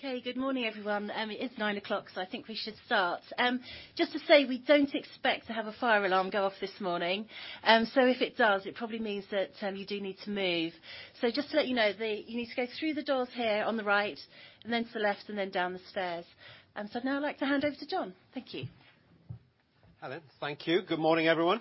Okay, good morning, everyone. It is 9:00 A.M., so I think we should start. Just to say, we don't expect to have a fire alarm go off this morning. If it does, it probably means that, you do need to move. So just to let you know, the you need to go through the doors here on the right, and then to the left, and then down the stairs. Now I'd like to hand over to Jon. Thank you. Hi there. Thank you. Good morning, everyone,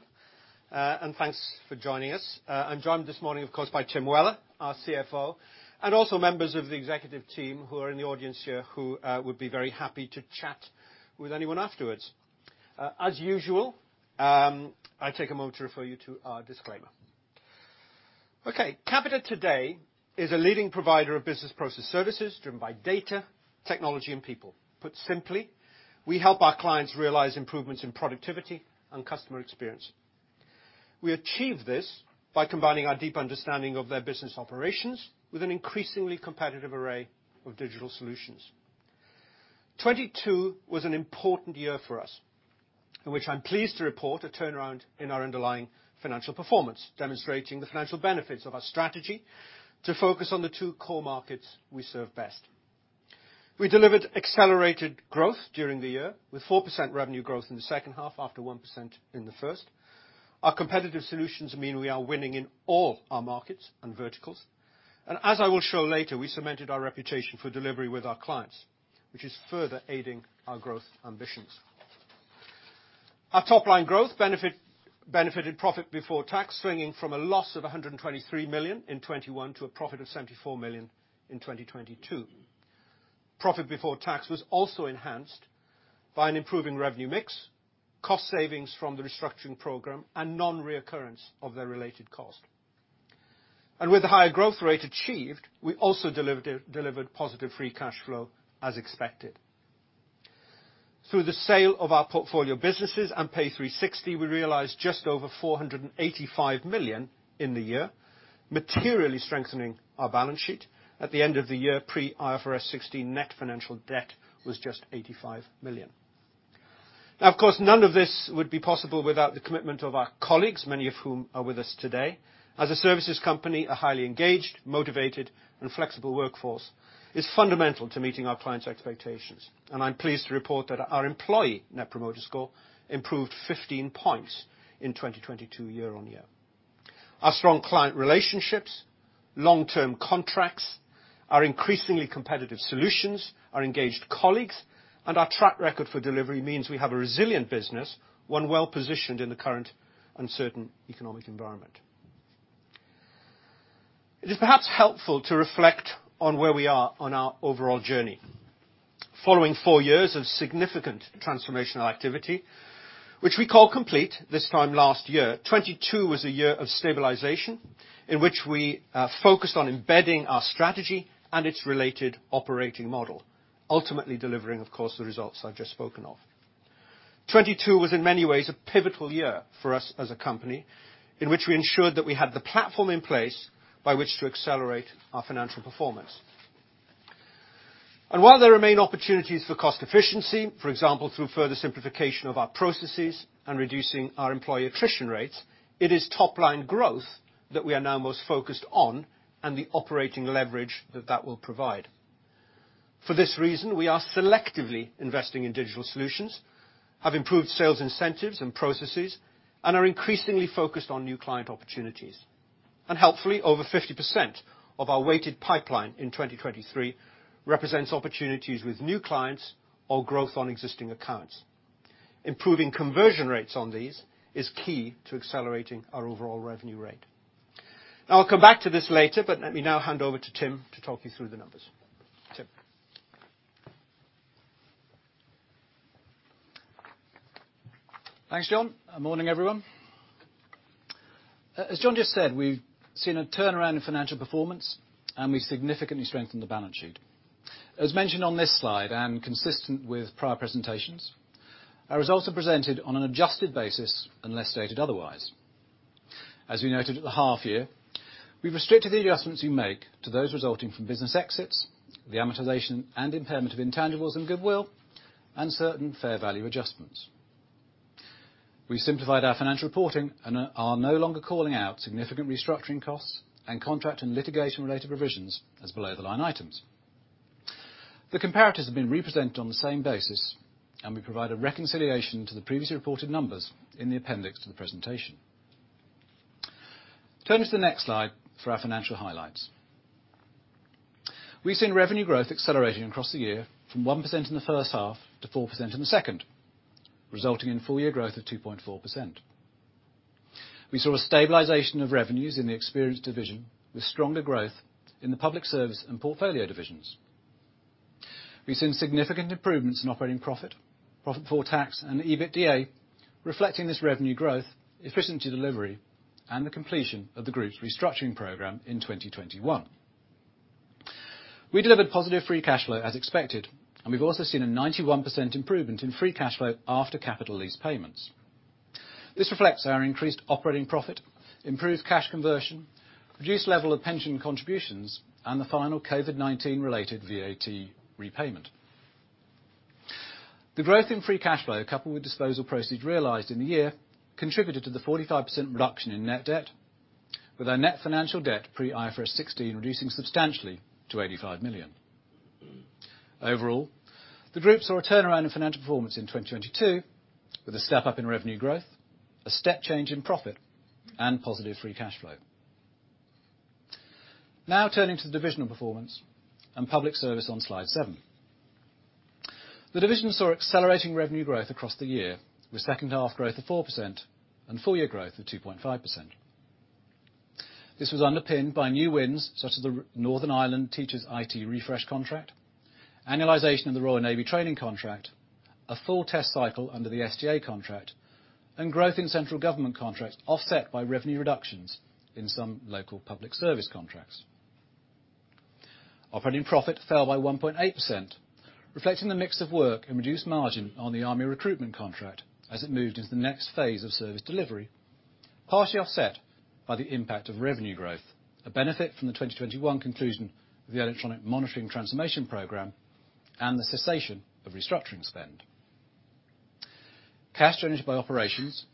thanks for joining us. I'm joined this morning, of course, by Tim Weller, our CFO, and also members of the executive team who are in the audience here who would be very happy to chat with anyone afterwards. As usual, I take a moment to refer you to our disclaimer. Capita today is a leading provider of business process services driven by data, technology, and people. Put simply, we help our clients realize improvements in productivity and customer experience. We achieve this by combining our deep understanding of their business operations with an increasingly competitive array of digital solutions. 2022 was an important year for us in which I'm pleased to report a turnaround in our underlying financial performance, demonstrating the financial benefits of our strategy to focus on the two core markets we serve best. We delivered accelerated growth during the year, with 4% revenue growth in the second half after 1% in the first. Our competitive solutions mean we are winning in all our markets and verticals. As I will show later, I cemented our reputation for delivery with our clients, which is further aiding our growth ambitions. Our top line growth benefited profit before tax, swinging from a loss of 123 million in 2021 to a profit of 74 million in 2022. Profit before tax was also enhanced by an improving revenue mix, cost savings from the restructuring program, and non-reoccurrence of their related cost. With the higher growth rate achieved, we also delivered positive free cash flow as expected. Through the sale of our portfolio businesses and Pay360, we realized just over 485 million in the year, materially strengthening our balance sheet. At the end of the year, pre-IFRS 16 net financial debt was just 85 million. None of this would be possible without the commitment of our colleagues, many of whom are with us today. As a services company, a highly engaged, motivated, and flexible workforce is fundamental to meeting our clients' expectations, and I'm pleased to report that our employee net promoter score improved 15 points in 2022 year-on-year. Our strong client relationships, long-term contracts, our increasingly competitive solutions, our engaged colleagues, and our track record for delivery means we have a resilient business, one well positioned in the current uncertain economic environment. It is perhaps helpful to reflect on where we are on our overall journey. Following four years of significant transformational activity, which we call complete this time last year, 2022 was a year of stabilization in which we focused on embedding our strategy and its related operating model, ultimately delivering, of course, the results I've just spoken of. 2022 was in many ways a pivotal year for us as a company in which we ensured that we had the platform in place by which to accelerate our financial performance. While there remain opportunities for cost efficiency, for example, through further simplification of our processes and reducing our employee attrition rates, it is top-line growth that we are now most focused on and the operating leverage that that will provide. For this reason, we are selectively investing in digital solutions, have improved sales incentives and processes, and are increasingly focused on new client opportunities. Helpfully, over 50% of our weighted pipeline in 2023 represents opportunities with new clients or growth on existing accounts. Improving conversion rates on these is key to accelerating our overall revenue rate. I'll come back to this later, but let me now hand over to Tim to talk you through the numbers. Tim? Thanks, Jon. Morning, everyone. As Jon just said, we've seen a turnaround in financial performance, and we significantly strengthened the balance sheet. As mentioned on this slide, and consistent with prior presentations, our results are presented on an adjusted basis unless stated otherwise. As we noted at the half year, we've restricted the adjustments we make to those resulting from business exits, the amortization and impairment of intangibles and goodwill, and certain fair value adjustments. We simplified our financial reporting and are no longer calling out significant restructuring costs and contract and litigation-related provisions as below-the-line items. The comparatives have been represented on the same basis, and we provide a reconciliation to the previously reported numbers in the appendix to the presentation. Turning to the next slide for our financial highlights. We've seen revenue growth accelerating across the year from 1% in the first half to 4% in the second, resulting in full year growth of 2.4%. We saw a stabilization of revenues in the Capita Experience division with stronger growth in the Capita Public Service and portfolio divisions. We've seen significant improvements in operating profit before tax, and EBITDA, reflecting this revenue growth, efficiency delivery, and the completion of the group's restructuring program in 2021. We delivered positive free cash flow as expected, and we've also seen a 91% improvement in free cash flow after capital lease payments. This reflects our increased operating profit, improved cash conversion, reduced level of pension contributions, and the final COVID-19 related VAT repayment. The growth in free cash flow coupled with disposal proceeds realized in the year contributed to the 45% reduction in net debt, with our net financial debt pre IFRS 16 reducing substantially to 85 million. Overall, the group saw a turnaround in financial performance in 2022, with a step up in revenue growth, a step change in profit, and positive free cash flow. Turning to the divisional performance and public service on slide seven. The division saw accelerating revenue growth across the year with second half growth of 4% and full year growth of 2.5%. This was underpinned by new wins, such as the Northern Ireland Teachers IT refresh contract, annualization of the Royal Navy training contract, a full test cycle under the SGA contract, and growth in central government contracts offset by revenue reductions in some local public service contracts. Operating profit fell by 1.8%, reflecting the mix of work and reduced margin on the Army recruitment contract as it moved into the next phase of service delivery, partly offset by the impact of revenue growth, a benefit from the 2021 conclusion of the electronic monitoring transformation program, and the cessation of restructuring spend. Cash generated by operations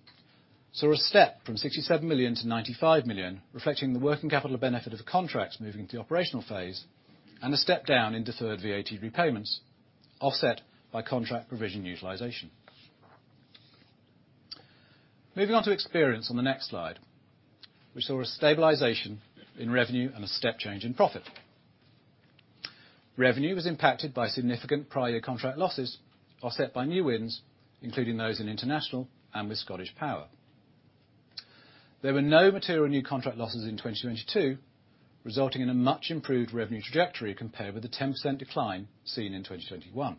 saw a step from 67 million-95 million, reflecting the working capital benefit of the contracts moving to the operational phase and a step down in deferred VAT repayments offset by contract provision utilization. Moving on to Experience on the next slide. We saw a stabilization in revenue and a step change in profit. Revenue was impacted by significant prior year contract losses offset by new wins, including those in international and with ScottishPower. There were no material new contract losses in 2022, resulting in a much improved revenue trajectory compared with the 10% decline seen in 2021.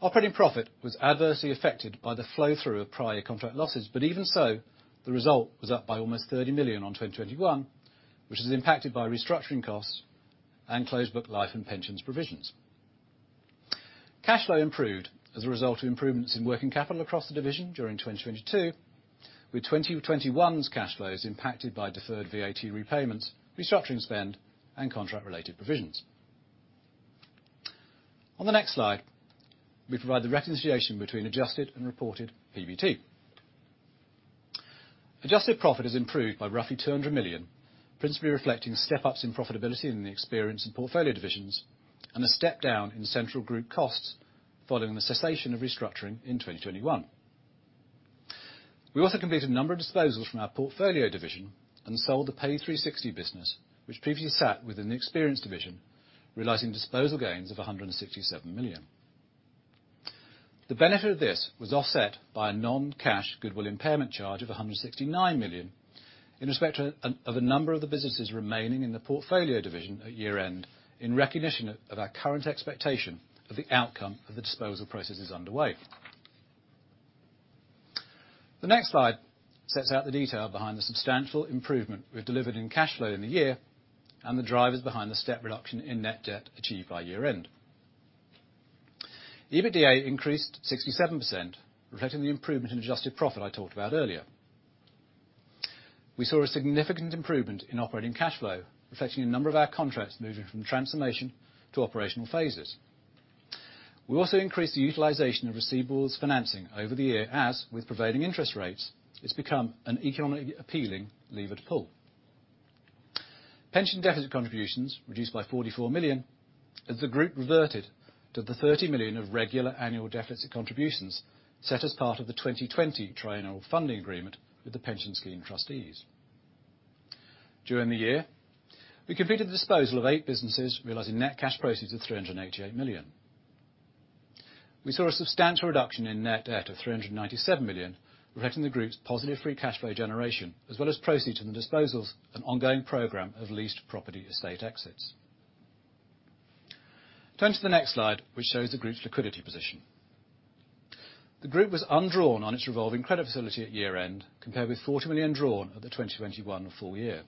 Operating profit was adversely affected by the flow through of prior contract losses. Even so, the result was up by almost 30 million on 2021, which is impacted by restructuring costs and close book life and pensions provisions. Cash flow improved as a result of improvements in working capital across the division during 2022, with 2021's cash flows impacted by deferred VAT repayments, restructuring spend and contract-related provisions. On the next slide, we provide the reconciliation between adjusted and reported PBT. Adjusted profit has improved by roughly 200 million, principally reflecting step-ups in profitability in the Experience and Portfolio divisions and a step down in central group costs following the cessation of restructuring in 2021. We also completed a number of disposals from our portfolio division and sold the Pay360 business, which previously sat within the Experience division, realizing disposal gains of 167 million. The benefit of this was offset by a non-cash goodwill impairment charge of 169 million in respect to a number of the businesses remaining in the Portfolio division at year-end, in recognition of our current expectation of the outcome of the disposal processes underway. The next slide sets out the detail behind the substantial improvement we've delivered in cash flow in the year and the drivers behind the step reduction in net debt achieved by year-end. EBITDA increased 67%, reflecting the improvement in adjusted profit I talked about earlier. We saw a significant improvement in operating cash flow, reflecting a number of our contracts moving from transformation to operational phases. We also increased the utilization of receivables financing over the year as, with prevailing interest rates, it's become an economically appealing lever to pull. Pension deficit contributions reduced by 44 million as the group reverted to the 30 million of regular annual deficit contributions set as part of the 2020 triannual funding agreement with the pension scheme trustees. During the year, we completed the disposal of eight businesses, realizing net cash proceeds of 388 million. We saw a substantial reduction in net debt of 397 million, reflecting the group's positive free cash flow generation, as well as proceeds from the disposals and ongoing program of leased property estate exits. Turning to the next slide, which shows the group's liquidity position. The group was undrawn on its revolving credit facility at year-end, compared with 40 million drawn at the 2021 full year.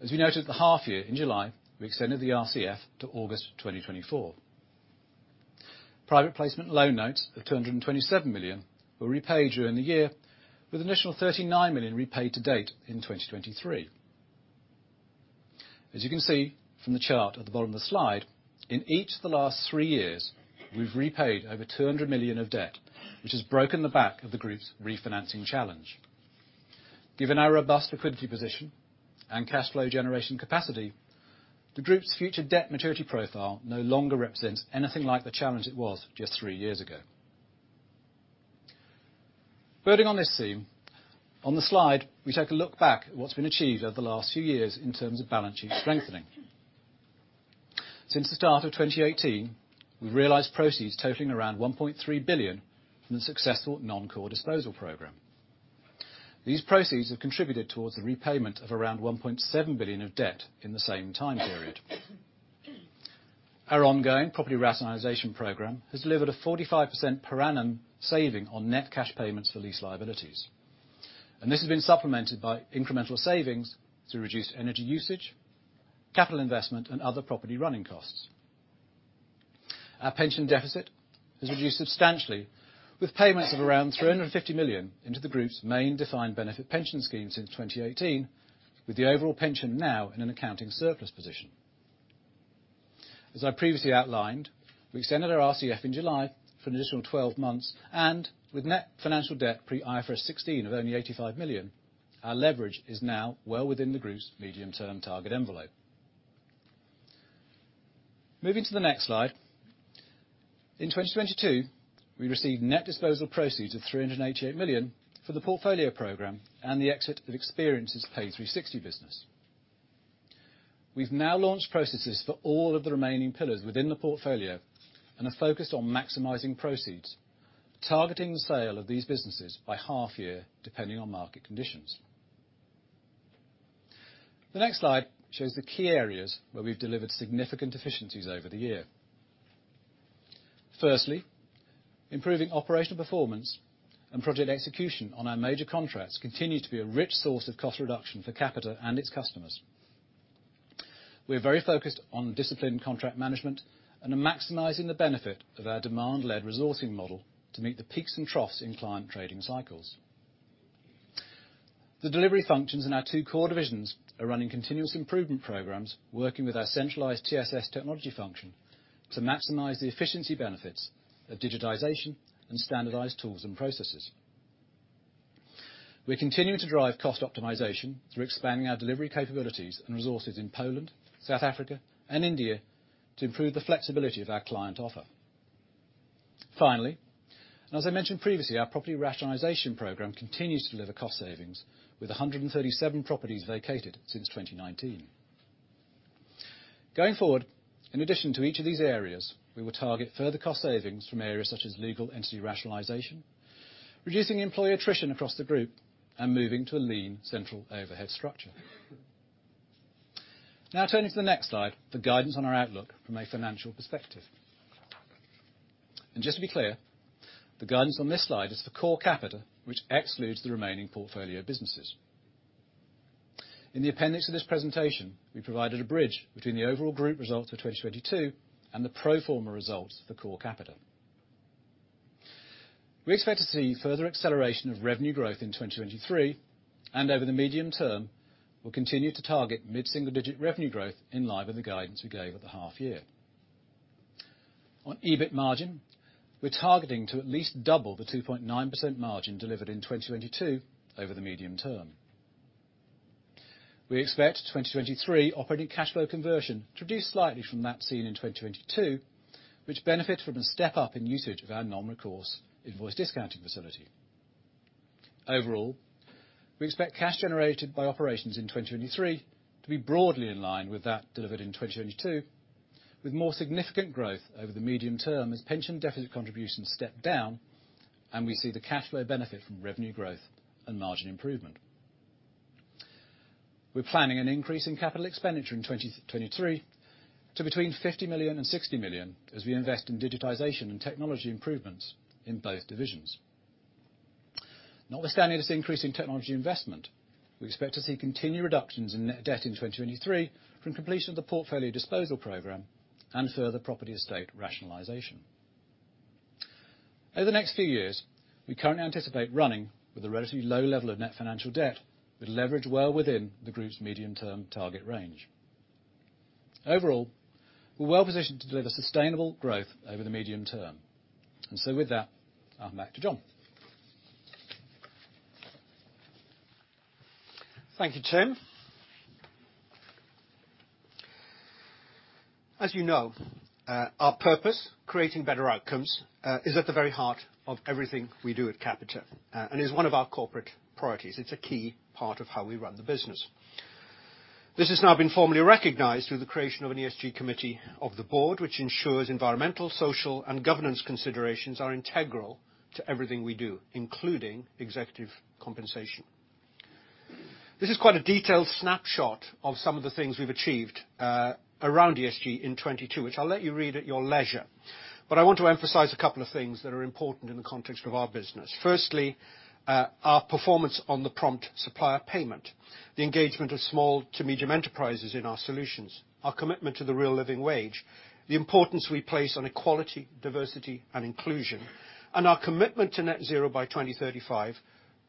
As we noted at the half year in July, we extended the RCF to August 2024. Private placement loan notes of 227 million were repaid during the year, with an additional 39 million repaid to date in 2023. As you can see from the chart at the bottom of the slide, in each of the last three years, we've repaid over 200 million of debt, which has broken the back of the group's refinancing challenge. Given our robust liquidity position and cash flow generation capacity, the group's future debt maturity profile no longer represents anything like the challenge it was just three years ago. Building on this theme, on the slide we take a look back at what's been achieved over the last few years in terms of balance sheet strengthening. Since the start of 2018, we've realized proceeds totaling around 1.3 billion from the successful non-core disposal program. These proceeds have contributed towards the repayment of around 1.7 billion of debt in the same time period. Our ongoing property rationalization program has delivered a 45% per annum saving on net cash payments for lease liabilities, and this has been supplemented by incremental savings to reduce energy usage, capital investment, and other property running costs. Our pension has reduced substantially with payments of around 350 million into the group's main defined benefit pension scheme since 2018, with the overall pension now in an accounting surplus position. As I previously outlined, we extended our RCF in July for an additional 12 months, and with net financial debt pre IFRS 16 of only 85 million, our leverage is now well within the group's medium-term target envelope. Moving to the next slide. In 2022, we received net disposal proceeds of 388 million for the portfolio program and the exit of Experian's Pay360 business. We've now launched processes for all of the remaining pillars within the portfolio and are focused on maximizing proceeds, targeting the sale of these businesses by half year depending on market conditions. The next slide shows the key areas where we've delivered significant efficiencies over the year. Firstly, improving operational performance and project execution on our major contracts continue to be a rich source of cost reduction for Capita and its customers. We are very focused on disciplined contract management and are maximizing the benefit of our demand-led resourcing model to meet the peaks and troughs in client trading cycles. The delivery functions in our two core divisions are running continuous improvement programs, working with our centralized TSS Technology function to maximize the efficiency benefits of digitization and standardized tools and processes. We continue to drive cost optimization through expanding our delivery capabilities and resources in Poland, South Africa, and India to improve the flexibility of our client offer. Finally, as I mentioned previously, our property rationalization program continues to deliver cost savings with 137 properties vacated since 2019. Going forward, in addition to each of these areas, we will target further cost savings from areas such as legal entity rationalization, reducing employee attrition across the group, and moving to a lean central overhead structure. Now turning to the next slide for guidance on our outlook from a financial perspective. Just to be clear, the guidance on this slide is for core Capita, which excludes the remaining portfolio businesses. In the appendix of this presentation, we provided a bridge between the overall group results for 2022 and the pro forma results for core Capita. We expect to see further acceleration of revenue growth in 2023. Over the medium term, we'll continue to target mid-single-digit revenue growth in line with the guidance we gave at the half year. On EBIT margin, we're targeting to at least double the 2.9% margin delivered in 2022 over the medium term. We expect 2023 operating cash flow conversion to reduce slightly from that seen in 2022, which benefits from a step up in usage of our non-recourse invoice discounting facility. Overall, we expect cash generated by operations in 2023 to be broadly in line with that delivered in 2022, with more significant growth over the medium term as pension deficit contributions step down and we see the cash flow benefit from revenue growth and margin improvement. We're planning an increase in CapEx in 2023 to between 50 million and 60 million as we invest in digitization and technology improvements in both divisions. Notwithstanding this increase in technology investment, we expect to see continued reductions in net debt in 2023 from completion of the portfolio disposal program and further property estate rationalization. Over the next few years, we currently anticipate running with a relatively low level of net financial debt with leverage well within the group's medium-term target range. Overall, we're well-positioned to deliver sustainable growth over the medium term. With that, I'll hand back to Jon. Thank you, Tim. As you know, our purpose, creating better outcomes, is at the very heart of everything we do at Capita, and is one of our corporate priorities. It's a key part of how we run the business. This has now been formally recognized through the creation of an ESG committee of the board, which ensures environmental, social, and governance considerations are integral to everything we do, including executive compensation. This is quite a detailed snapshot of some of the things we've achieved around ESG in 22, which I'll let you read at your leisure. I want to emphasize a couple of things that are important in the context of our business. Firstly, our performance on the prompt supplier payment, the engagement of small to medium enterprises in our solutions, our commitment to the real Living Wage, the importance we place on equality, diversity, and inclusion, and our commitment to net zero by 2035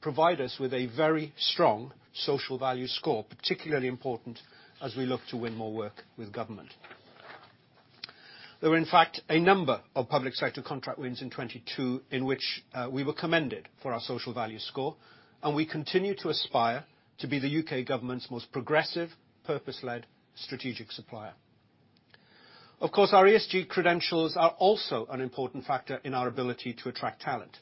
provide us with a very strong social value score, particularly important as we look to win more work with government. There were in fact a number of public sector contract wins in 2022 in which we were commended for our social value score, and we continue to aspire to be the U.K. government's most progressive, purpose-led strategic supplier. Of course, our ESG credentials are also an important factor in our ability to attract talent.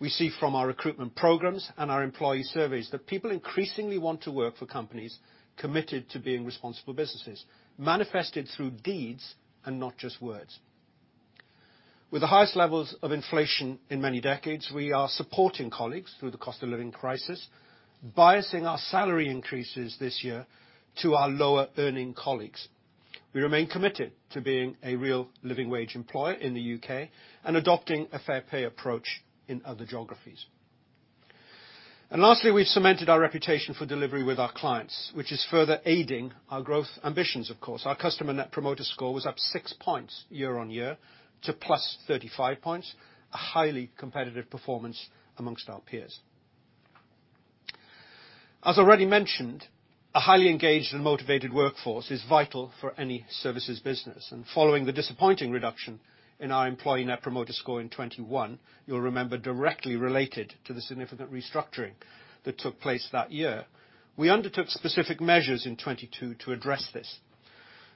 We see from our recruitment programs and our employee surveys that people increasingly want to work for companies committed to being responsible businesses, manifested through deeds and not just words. With the highest levels of inflation in many decades, we are supporting colleagues through the cost of living crisis, biasing our salary increases this year to our lower-earning colleagues. We remain committed to being a real Living Wage employer in the U.K. and adopting a fair pay approach in other geographies. Lastly, we've cemented our reputation for delivery with our clients, which is further aiding our growth ambitions of course. Our customer net promoter score was up 6 points year-on-year to +35 points. A highly competitive performance amongst our peers. As already mentioned, a highly engaged and motivated workforce is vital for any services business, and following the disappointing reduction in our employee net promoter score in 2021, you'll remember directly related to the significant restructuring that took place that year, we undertook specific measures in 2022 to address this.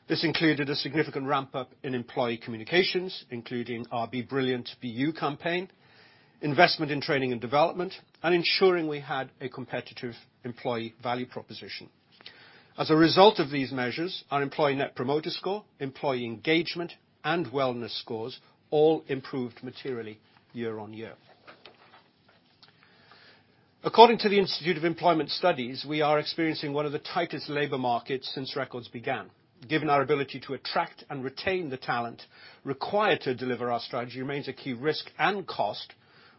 This included a significant ramp-up in employee communications, including our #BeBrilliantBeYou campaign, investment in training and development, and ensuring we had a competitive employee value proposition. As a result of these measures, our employee net promoter score, employee engagement, and wellness scores all improved materially year-on-year. According to the Institute for Employment Studies, we are experiencing one of the tightest labor markets since records began. Given our ability to attract and retain the talent required to deliver our strategy remains a key risk and cost,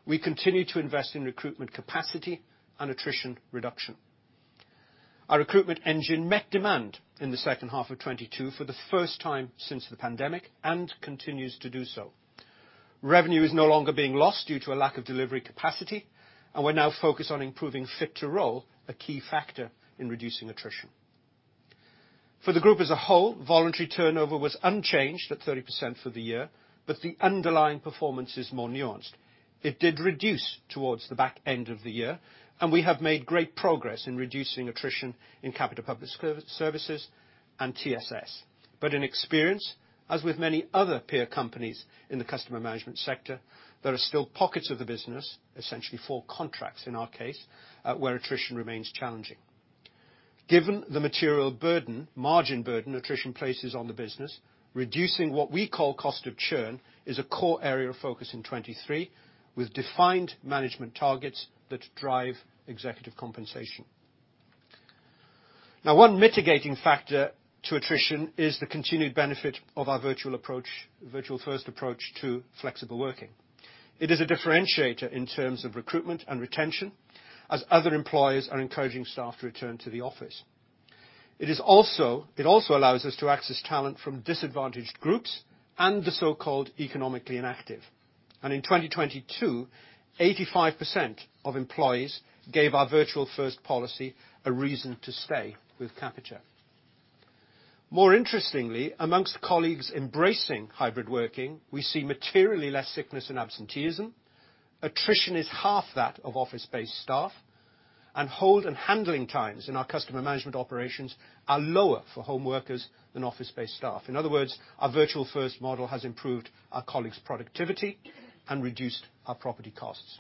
we continue to invest in recruitment capacity and attrition reduction. Our recruitment engine met demand in the second half of 2022 for the first time since the pandemic and continues to do so. Revenue is no longer being lost due to a lack of delivery capacity, and we're now focused on improving fit to role, a key factor in reducing attrition. For the group as a whole, voluntary turnover was unchanged at 30% for the year, but the underlying performance is more nuanced. It did reduce towards the back end of the year, and we have made great progress in reducing attrition in Capita Public Services and TSS. In Experience, as with many other peer companies in the customer management sector, there are still pockets of the business, essentially four contracts in our case, where attrition remains challenging. Given the material burden, margin burden attrition places on the business, reducing what we call cost of churn is a core area of focus in 2023, with defined management targets that drive executive compensation. Now one mitigating factor to attrition is the continued benefit of our virtual approach, virtual first approach to flexible working. It is a differentiator in terms of recruitment and retention, as other employers are encouraging staff to return to the office. It also allows us to access talent from disadvantaged groups and the so-called economically inactive. In 2022, 85% of employees gave our virtual first policy a reason to stay with Capita. More interestingly, amongst colleagues embracing hybrid working, we see materially less sickness and absenteeism. Attrition is half that of office-based staff, and hold and handling times in our customer management operations are lower for home workers than office-based staff. In other words, our virtual first model has improved our colleagues' productivity and reduced our property costs.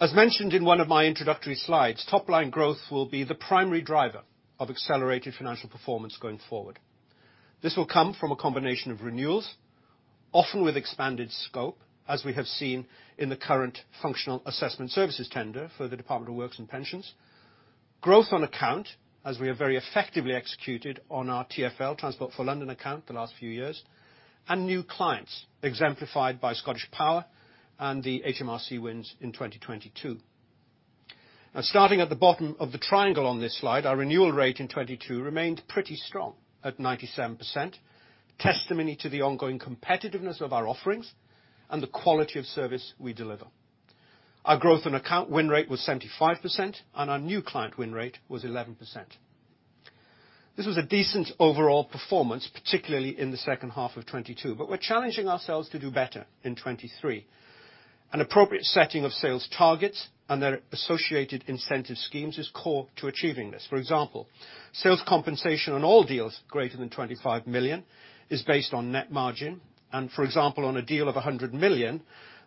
As mentioned in one of my introductory slides, top-line growth will be the primary driver of accelerated financial performance going forward. This will come from a combination of renewals, often with expanded scope, as we have seen in the current Functional Assessment Services tender for the Department for Work and Pensions. Growth on account, as we have very effectively executed on our TfL, Transport for London account the last few years, and new clients, exemplified by ScottishPower and the HMRC wins in 2022. Starting at the bottom of the triangle on this slide, our renewal rate in 2022 remained pretty strong at 97%, testimony to the ongoing competitiveness of our offerings and the quality of service we deliver. Our growth on account win rate was 75%, and our new client win rate was 11%. This was a decent overall performance, particularly in the second half of 2022. We're challenging ourselves to do better in 2023. An appropriate setting of sales targets and their associated incentive schemes is core to achieving this. For example, sales compensation on all deals greater than 25 million is based on net margin. For example, on a deal of 100 million,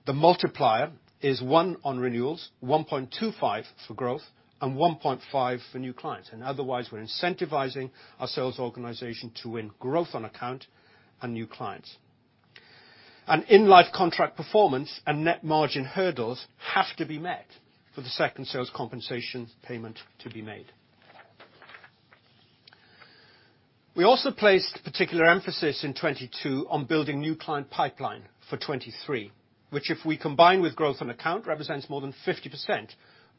the multiplier is one on renewals, 1.25 for growth, and 1.5 for new clients. Otherwise we're incentivizing our sales organization to win growth on account and new clients. In life contract performance and net margin hurdles have to be met for the second sales compensation payment to be made. We also placed particular emphasis in 2022 on building new client pipeline for 2023, which if we combine with growth on account, represents more than 50%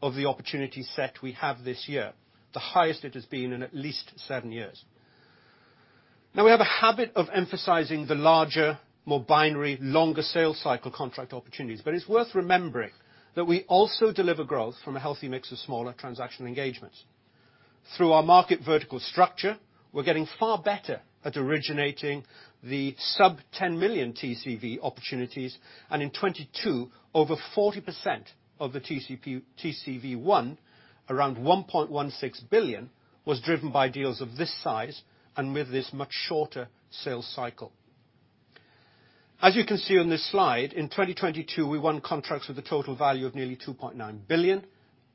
of the opportunity set we have this year. The highest it has been in at least seven years. We have a habit of emphasizing the larger, more binary, longer sales cycle contract opportunities. It's worth remembering that we also deliver growth from a healthy mix of smaller transactional engagements. Through our market vertical structure, we're getting far better at originating the sub 10 million TCV opportunities, and in 2022, over 40% of the TCV won, around 1.16 billion, was driven by deals of this size and with this much shorter sales cycle. As you can see on this slide, in 2022, we won contracts with a total value of nearly 2.9 billion,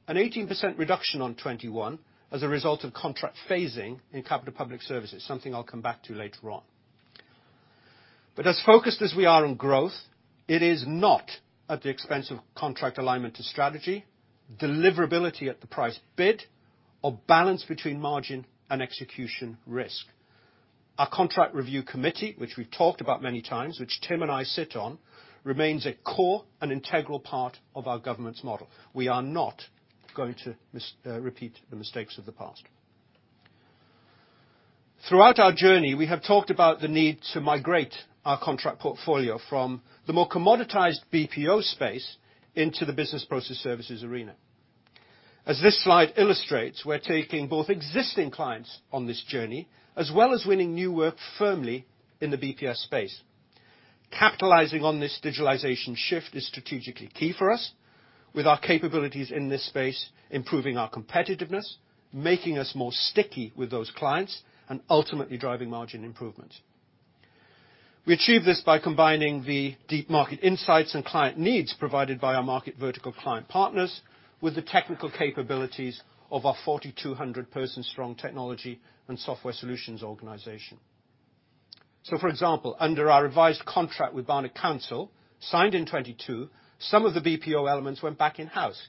an 18% reduction on 2021 as a result of contract phasing in Capita Public Service, something I'll come back to later on. As focused as we are on growth, it is not at the expense of contract alignment to strategy, deliverability at the price bid, or balance between margin and execution risk. Our contract review committee, which we've talked about many times, which Tim and I sit on, remains a core and integral part of our government's model. We are not going to repeat the mistakes of the past. Throughout our journey, we have talked about the need to migrate our contract portfolio from the more commoditized BPO space into the business process services arena. As this slide illustrates, we're taking both existing clients on this journey, as well as winning new work firmly in the BPS space. Capitalizing on this digitalization shift is strategically key for us, with our capabilities in this space improving our competitiveness, making us more sticky with those clients, and ultimately driving margin improvement. We achieve this by combining the deep market insights and client needs provided by our market vertical client partners with the technical capabilities of our 4,200 person strong technology and software solutions organization. For example, under our revised contract with Barnet Council, signed in 2022, some of the BPO elements went back in-house.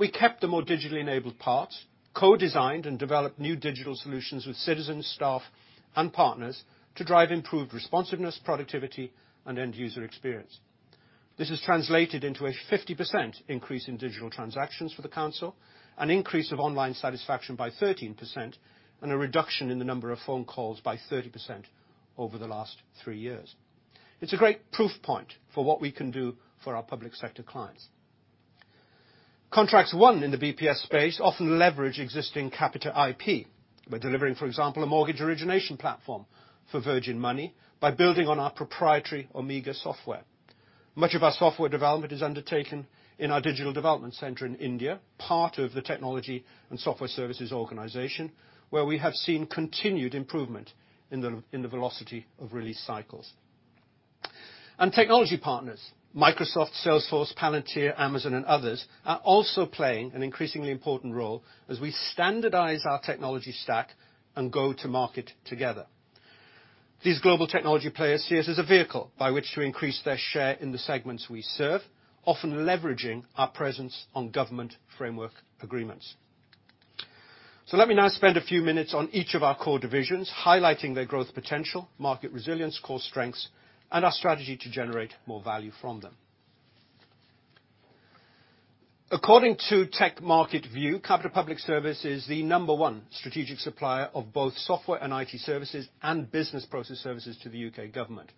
We kept the more digitally enabled parts, co-designed and developed new digital solutions with citizens, staff, and partners to drive improved responsiveness, productivity, and end user experience. This has translated into a 50% increase in digital transactions for the council, an increase of online satisfaction by 13%, and a reduction in the number of phone calls by 30% over the last three years. It's a great proof point for what we can do for our public sector clients. Contracts won in the BPS space often leverage existing Capita IP. We're delivering, for example, a mortgage origination platform for Virgin Money by building on our proprietary Omega software. Much of our software development is undertaken in our digital development center in India, part of the technology and software services organization, where we have seen continued improvement in the velocity of release cycles. Technology partners, Microsoft, Salesforce, Palantir, Amazon, and others, are also playing an increasingly important role as we standardize our technology stack and go to market together. These global technology players see us as a vehicle by which to increase their share in the segments we serve, often leveraging our presence on government framework agreements. Let me now spend a few minutes on each of our core divisions, highlighting their growth potential, market resilience, core strengths, and our strategy to generate more value from them. According to TechMarketView, Capita Public Service is the number one strategic supplier of both software and IT services and business process services to the U.K. government,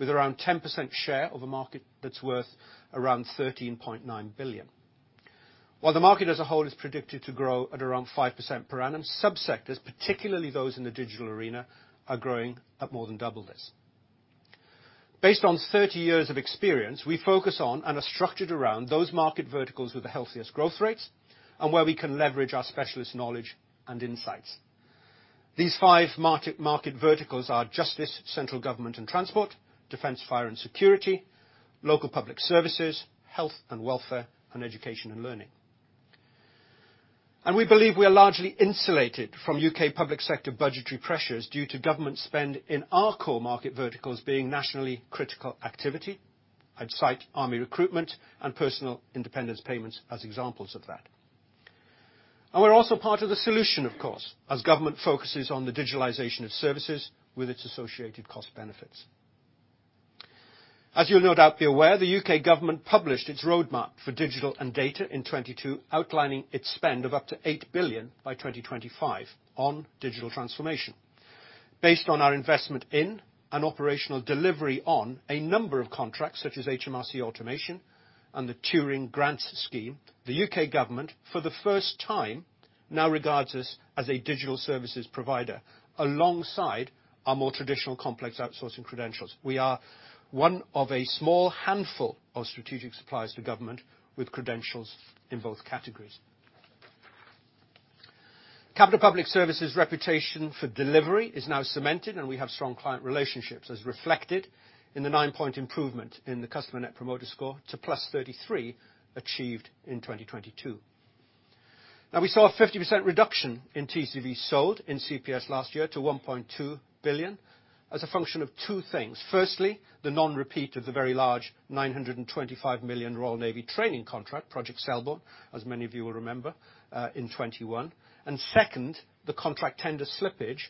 with around 10% share of a market that's worth around 13.9 billion. While the market as a whole is predicted to grow at around 5% per annum, sub-sectors, particularly those in the digital arena, are growing at more than double this. Based on 30 years of experience, we focus on and are structured around those market verticals with the healthiest growth rates and where we can leverage our specialist knowledge and insights. These five market verticals are justice, central government and transport, defense, fire and security, local public services, health and welfare, and education and learning. We believe we are largely insulated from U.K. public sector budgetary pressures due to government spend in our core market verticals being nationally critical activity. I'd cite army recruitment and Personal Independence Payment as examples of that. We're also part of the solution, of course, as government focuses on the digitalization of services with its associated cost benefits. As you'll no doubt be aware, the U.K. government published its roadmap for digital and data in 2022, outlining its spend of up to 8 billion by 2025 on digital transformation. Based on our investment in and operational delivery on a number of contracts, such as HMRC Automation and the Turing Scheme, the U.K. government, for the first time, now regards us as a digital services provider alongside our more traditional complex outsourcing credentials. We are one of a small handful of strategic suppliers to government with credentials in both categories. Capita Public Service's reputation for delivery is now cemented, and we have strong client relationships as reflected in the 9-point improvement in the customer net promoter score to +33 achieved in 2022. We saw a 50% reduction in TCV sold in CPS last year to 1.2 billion as a function of two things. Firstly, the non-repeat of the very large 925 million Royal Navy training contract, Project Selborne, as many of you will remember, in 2021. Second, the contract tender slippage,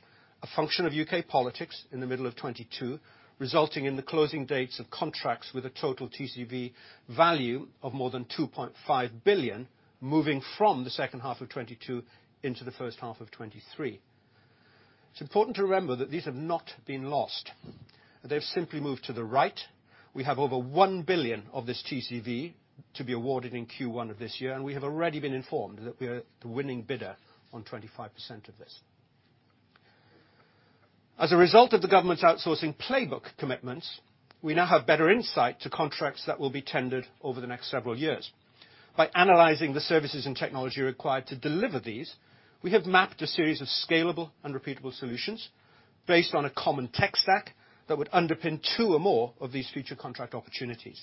a function of U.K. politics in the middle of 2022, resulting in the closing dates of contracts with a total TCV value of more than 2.5 billion moving from the second half of 2022 into the first half of 2023. It's important to remember that these have not been lost. They've simply moved to the right. We have over 1 billion of this TCV to be awarded in Q1 of this year, and we have already been informed that we are the winning bidder on 25% of this. As a result of the Government's Outsourcing Playbook commitments, we now have better insight to contracts that will be tendered over the next several years. By analyzing the services and technology required to deliver these, we have mapped a series of scalable and repeatable solutions based on a common tech stack that would underpin two or more of these future contract opportunities.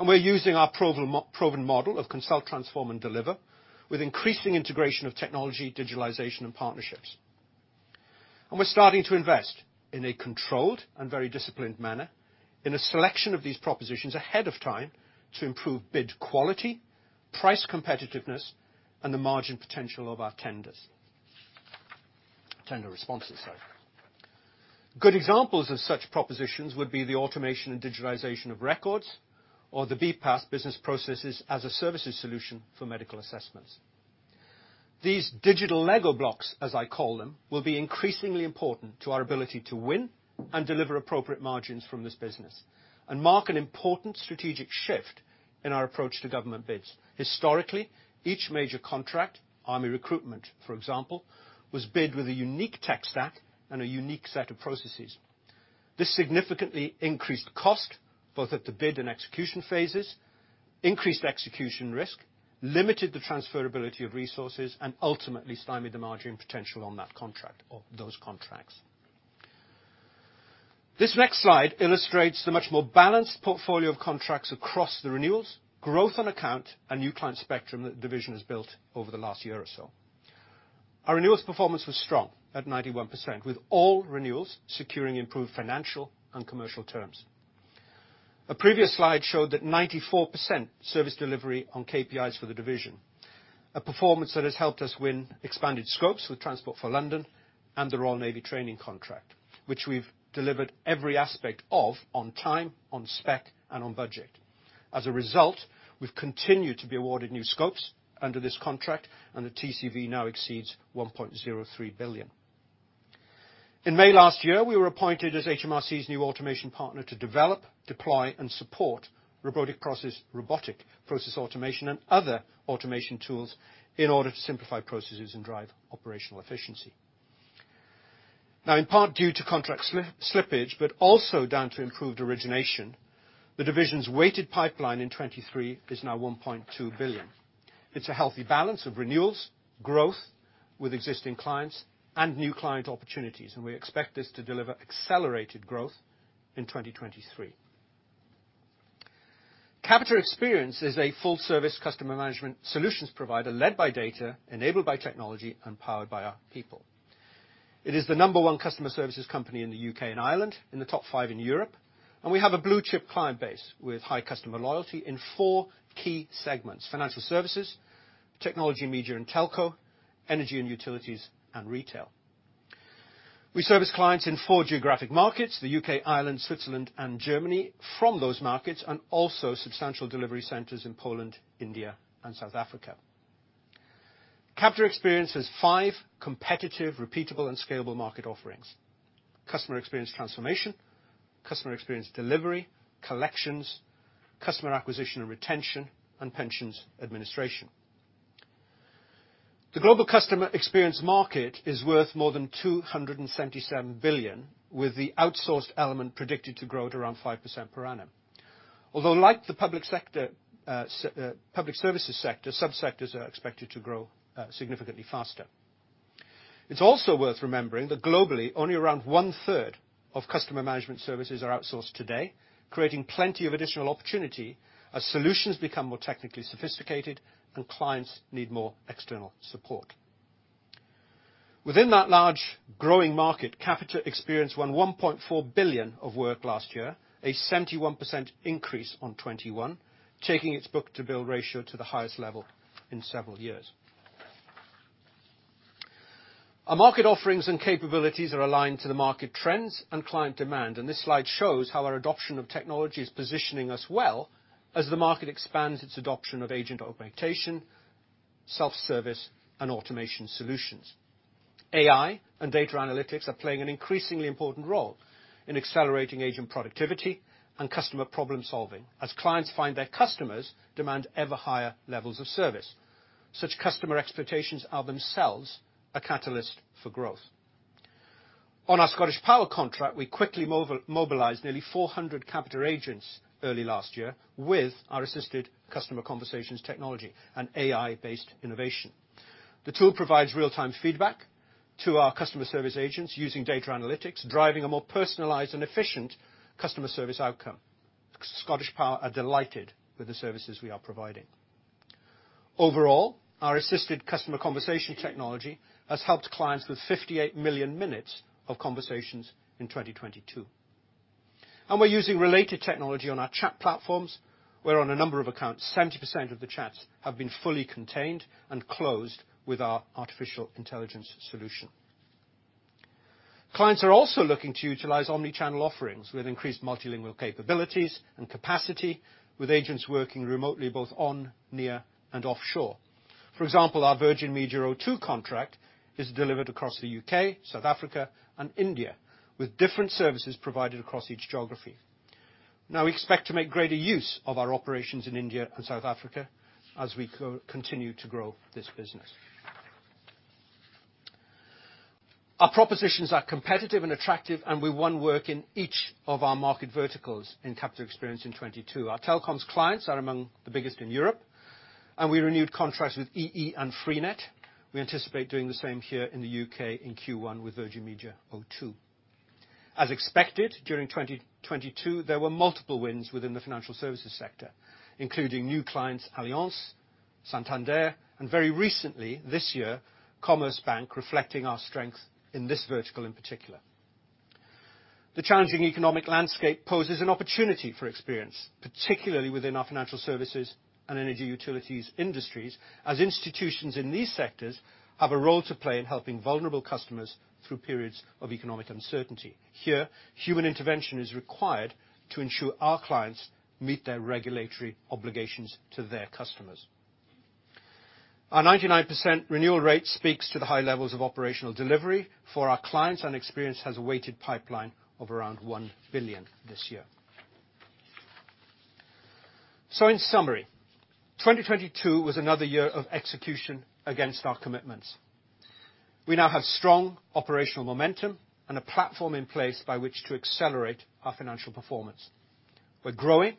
We're using our proven model of consult, transform, and deliver with increasing integration of technology, digitalization, and partnerships. We're starting to invest in a controlled and very disciplined manner in a selection of these propositions ahead of time to improve bid quality-Price competitiveness and the margin potential of our tenders. Tender responses, sorry. Good examples of such propositions would be the automation and digitization of records, or the BPaaS Business Process as a Service solution for medical assessments. These digital Lego blocks, as I call them, will be increasingly important to our ability to win and deliver appropriate margins from this business, mark an important strategic shift in our approach to government bids. Historically, each major contract, Army recruitment, for example, was bid with a unique tech stack and a unique set of processes. This significantly increased cost, both at the bid and execution phases, increased execution risk, limited the transferability of resources, and ultimately stymied the margin potential on that contract or those contracts. This next slide illustrates the much more balanced portfolio of contracts across the renewals, growth on account, and new client spectrum that the division has built over the last year or so. Our renewals performance was strong at 91%, with all renewals securing improved financial and commercial terms. A previous slide showed that 94% service delivery on KPIs for the division, a performance that has helped us win expanded scopes with Transport for London and the Royal Navy training contract, which we've delivered every aspect of on time, on spec, and on budget. As a result, we've continued to be awarded new scopes under this contract, and the TCV now exceeds 1.03 billion. In May last year, we were appointed as HMRC's new automation partner to develop, deploy, and support robotic process automation and other automation tools in order to simplify processes and drive operational efficiency. Now, in part due to contract slippage, but also down to improved origination, the division's weighted pipeline in 2023 is now 1.2 billion. It's a healthy balance of renewals, growth with existing clients, and new client opportunities. We expect this to deliver accelerated growth in 2023. Capita Experience is a full service customer management solutions provider led by data, enabled by technology, and powered by our people. It is the number one customer services company in the U.K. and Ireland, in the top five in Europe. We have a blue-chip client base with high customer loyalty in four key segments: financial services, technology, media, and telco, energy and utilities, and retail. We service clients in four geographic markets, the U.K., Ireland, Switzerland, and Germany, from those markets, also substantial delivery centers in Poland, India, and South Africa. Capita Experience has five competitive, repeatable, and scalable market offerings: customer experience transformation, customer experience delivery, collections, customer acquisition and retention, and pensions administration. The global customer experience market is worth more than 277 billion, with the outsourced element predicted to grow at around 5% per annum. Like the public sector, public services sector, sub-sectors are expected to grow significantly faster. It's also worth remembering that globally only around one-third of customer management services are outsourced today, creating plenty of additional opportunity as solutions become more technically sophisticated and clients need more external support. Within that large growing market, Capita Experience won 1.4 billion of work last year, a 71% increase on 2021, taking its book-to-bill ratio to the highest level in several years. Our market offerings and capabilities are aligned to the market trends and client demand, and this slide shows how our adoption of technology is positioning us well as the market expands its adoption of agent augmentation, self-service, and automation solutions. AI and data analytics are playing an increasingly important role in accelerating agent productivity and customer problem-solving as clients find their customers demand ever higher levels of service. Such customer expectations are themselves a catalyst for growth. On our ScottishPower contract, we quickly mobilized nearly 400 Capita agents early last year with our Assisted Customer Conversations technology and AI-based innovation. The tool provides real-time feedback to our customer service agents using data analytics, driving a more personalized and efficient customer service outcome. ScottishPower are delighted with the services we are providing. Overall, our assisted customer conversation technology has helped clients with 58 million minutes of conversations in 2022. We're using related technology on our chat platforms, where on a number of accounts, 70% of the chats have been fully contained and closed with our artificial intelligence solution. Clients are also looking to utilize omni-channel offerings with increased multilingual capabilities and capacity with agents working remotely, both on, near, and offshore. For example, our Virgin Media O2 contract is delivered across the U.K., South Africa, and India, with different services provided across each geography. We expect to make greater use of our operations in India and South Africa as we co-continue to grow this business. Our propositions are competitive and attractive, we won work in each of our market verticals in Capita Experience in 2022. Our telecoms clients are among the biggest in Europe, and we renewed contracts with EE and Freenet. We anticipate doing the same here in the U.K. in Q1 with Virgin Media O2. As expected, during 2022, there were multiple wins within the financial services sector, including new clients, Allianz, Santander, and very recently, this year, Commerzbank, reflecting our strength in this vertical in particular. The challenging economic landscape poses an opportunity for Experience, particularly within our financial services and energy utilities industries, as institutions in these sectors have a role to play in helping vulnerable customers through periods of economic uncertainty. Here, human intervention is required to ensure our clients meet their regulatory obligations to their customers. Our 99% renewal rate speaks to the high levels of operational delivery for our clients, and Experience has a weighted pipeline of around 1 billion this year. In summary, 2022 was another year of execution against our commitments. We now have strong operational momentum and a platform in place by which to accelerate our financial performance. We're growing,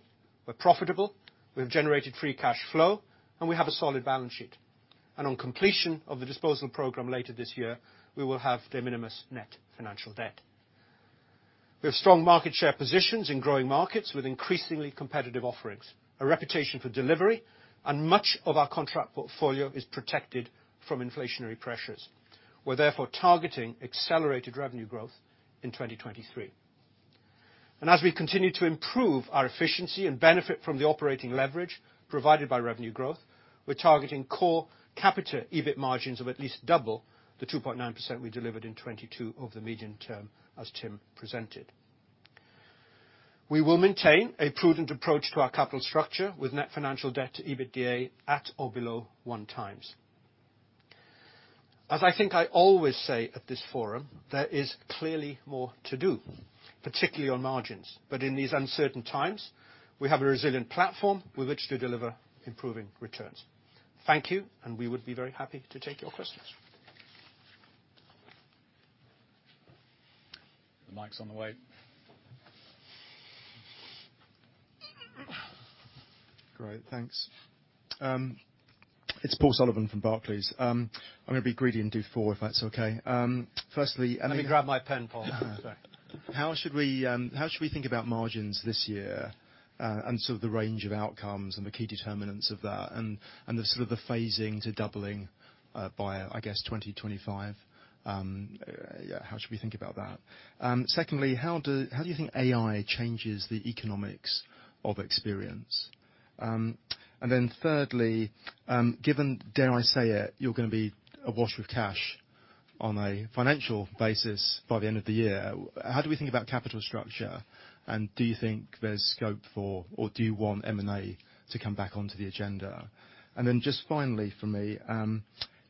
we're profitable, we've generated free cash flow, and we have a solid balance sheet. On completion of the disposal program later this year, we will have de minimis net financial debt. We have strong market share positions in growing markets with increasingly competitive offerings, a reputation for delivery, and much of our contract portfolio is protected from inflationary pressures. We're therefore targeting accelerated revenue growth in 2023. As we continue to improve our efficiency and benefit from the operating leverage provided by revenue growth, we're targeting core Capita EBIT margins of at least double the 2.9% we delivered in 2022 over the medium term, as Tim presented. We will maintain a prudent approach to our capital structure with net financial debt to EBITDA at or below 1x. As I think I always say at this forum, there is clearly more to do, particularly on margins. In these uncertain times, we have a resilient platform with which to deliver improving returns. Thank you. We would be very happy to take your questions. The mic's on the way. Great, thanks. It's Paul Sullivan from Barclays. I'm gonna be greedy and do four, if that's okay. Firstly. Let me grab my pen, Paul. How should we, how should we think about margins this year, and sort of the range of outcomes and the key determinants of that, and the sort of the phasing to doubling, by, I guess, 2025? How should we think about that? Secondly, how do you think AI changes the economics of Experience? Thirdly, given, dare I say it, you're gonna be awash with cash on a financial basis by the end of the year, how do we think about capital structure? Do you think there's scope for, or do you want M&A to come back onto the agenda? Just finally for me,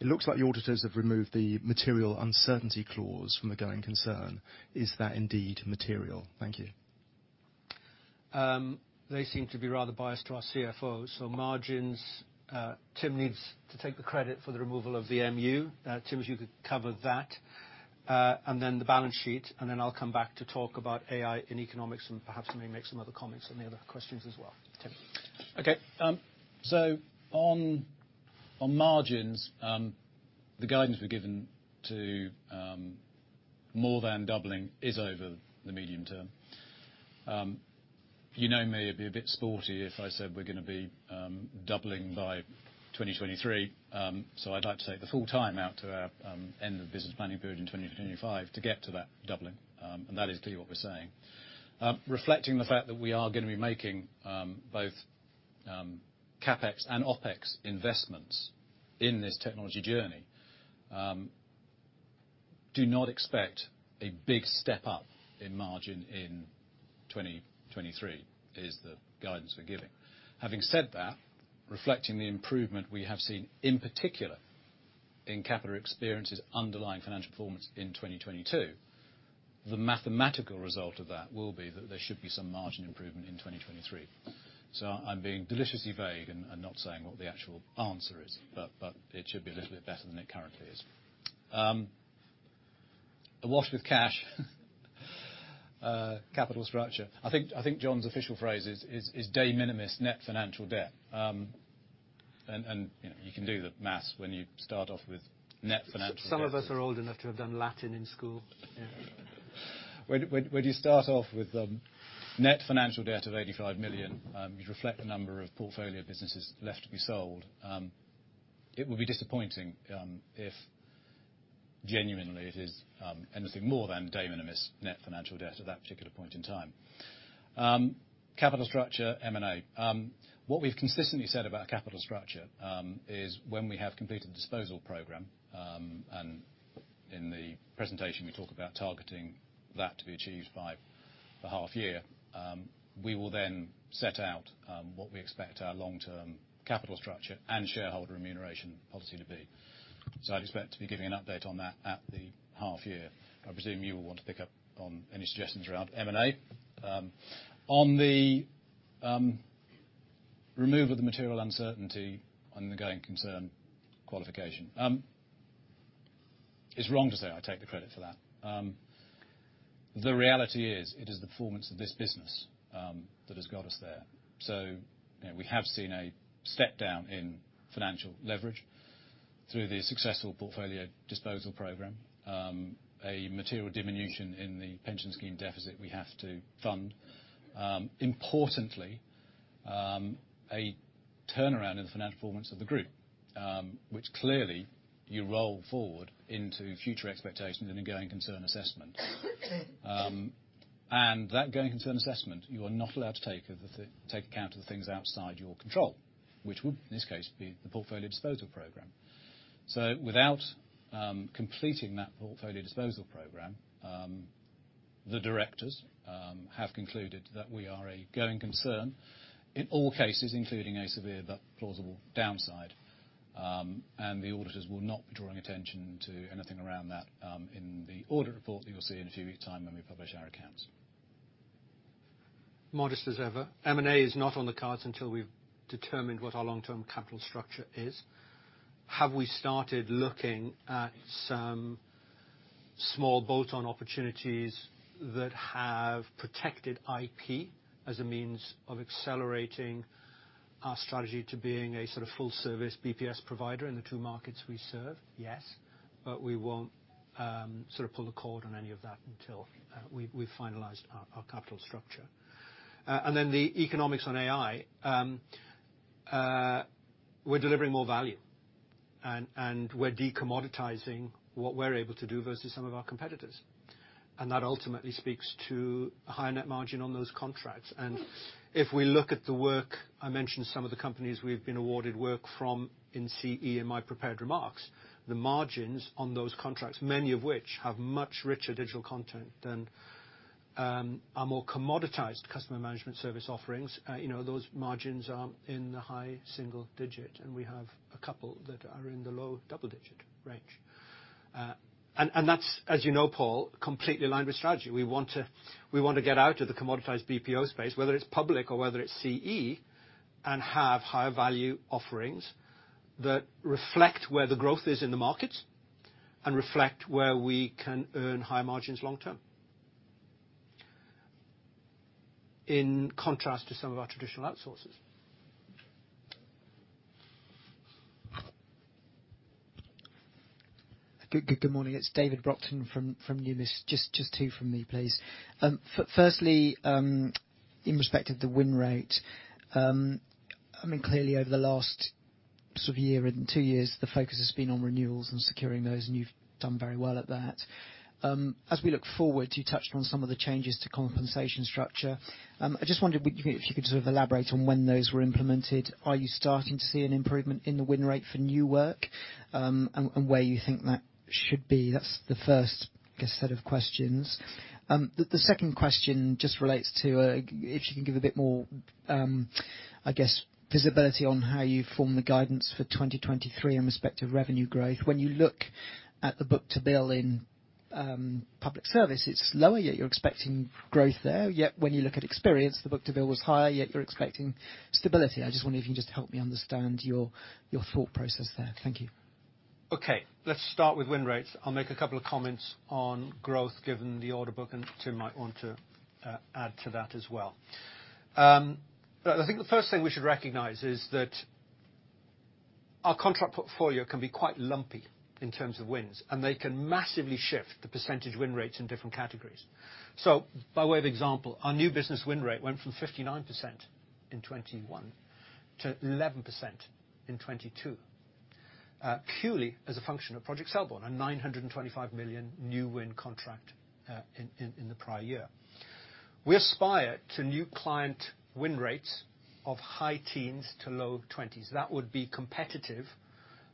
it looks like the auditors have removed the material uncertainty clause from the going concern. Is that indeed material? Thank you. They seem to be rather biased to our CFO. Margins, Tim needs to take the credit for the removal of the MU. Tim, you could cover that. The balance sheet. Then I'll come back to talk about AI and economics, and perhaps maybe make some other comments on the other questions as well. Tim. Okay. On margins, the guidance we're given to more than doubling is over the medium term. You know me, it'd be a bit sporty if I said we're gonna be doubling by 2023. I'd like to take the full time out to our end of business planning period in 2025 to get to that doubling. That is clearly what we're saying. Reflecting the fact that we are gonna be making both CapEx and OpEx investments in this technology journey, do not expect a big step up in margin in 2023, is the guidance we're giving. Having said that, reflecting the improvement we have seen, in particular in Capita Experience's underlying financial performance in 2022, the mathematical result of that will be that there should be some margin improvement in 2023. I'm being deliciously vague and not saying what the actual answer is, but it should be a little bit better than it currently is. Awash with cash capital structure. I think Jon's official phrase is de minimis net financial debt. And, you know, you can do the math when you start off with net financial debt. Some of us are old enough to have done Latin in school. Yeah. When you start off with net financial debt of 85 million, you reflect the number of portfolio businesses left to be sold, it would be disappointing if genuinely it is anything more than de minimis net financial debt at that particular point in time. Capital structure, M&A. What we've consistently said about capital structure is when we have completed the disposal program, and in the presentation, we talk about targeting that to be achieved by the half year, we will then set out what we expect our long-term capital structure and shareholder remuneration policy to be. I'd expect to be giving an update on that at the half year. I presume you will want to pick up on any suggestions around M&A. On the removal of the material uncertainty on the going concern qualification. It's wrong to say I take the credit for that. The reality is, it is the performance of this business that has got us there. You know, we have seen a step down in financial leverage through the successful portfolio disposal program, a material diminution in the pension scheme deficit we have to fund. Importantly, a turnaround in the financial performance of the group, which clearly you roll forward into future expectations in a going concern assessment. That going concern assessment, you are not allowed to take account of the things outside your control, which would, in this case, be the portfolio disposal program. Without completing that portfolio disposal program, the directors have concluded that we are a going concern in all cases, including a severe but plausible downside. The auditors will not be drawing attention to anything around that in the audit report that you'll see in a few weeks' time when we publish our accounts. Modest as ever, M&A is not on the cards until we've determined what our long-term capital structure is. Have we started looking at some small bolt-on opportunities that have protected IP as a means of accelerating our strategy to being a sort of full-service BPS provider in the two markets we serve? Yes. We won't sort of pull the cord on any of that until we've finalized our capital structure. The economics on AI, we're delivering more value, and we're decommoditizing what we're able to do versus some of our competitors. That ultimately speaks to a higher net margin on those contracts. If we look at the work, I mentioned some of the companies we've been awarded work from in CE in my prepared remarks. The margins on those contracts, many of which have much richer digital content than our more commoditized customer management service offerings, you know, those margins are in the high single-digit, and we have a couple that are in the low double-digit range. That's, as you know, Paul, completely aligned with strategy. We want to get out of the commoditized BPO space, whether it's public or whether it's CE, and have higher value offerings that reflect where the growth is in the markets and reflect where we can earn higher margins long term. In contrast to some of our traditional outsources. Good morning. It's David Brockton from Numis. Just two from me, please. Firstly, in respect of the win rate, I mean, clearly over the last sort of year, even two years, the focus has been on renewals and securing those, and you've done very well at that. As we look forward, you touched on some of the changes to compensation structure. I just wondered if you could sort of elaborate on when those were implemented. Are you starting to see an improvement in the win rate for new work, and where you think that should be? That's the first, I guess, set of questions. The second question just relates to, if you can give a bit more, I guess, visibility on how you form the guidance for 2023 in respect of revenue growth. When you look at the book-to-bill in Public Service, it's lower, yet you're expecting growth there. When you look at Experience, the book-to-bill was higher, yet you're expecting stability. I just wonder if you can just help me understand your thought process there. Thank you. Let's start with win rates. I'll make a couple of comments on growth given the order book, Tim might want to add to that as well. I think the first thing we should recognize is that our contract portfolio can be quite lumpy in terms of wins, they can massively shift the percentage win rates in different categories. By way of example, our new business win rate went from 59% in 2021 to 11% in 2022, purely as a function of Project Selborne, a 925 million new win contract in the prior year. We aspire to new client win rates of high teens to low twenties. That would be competitive,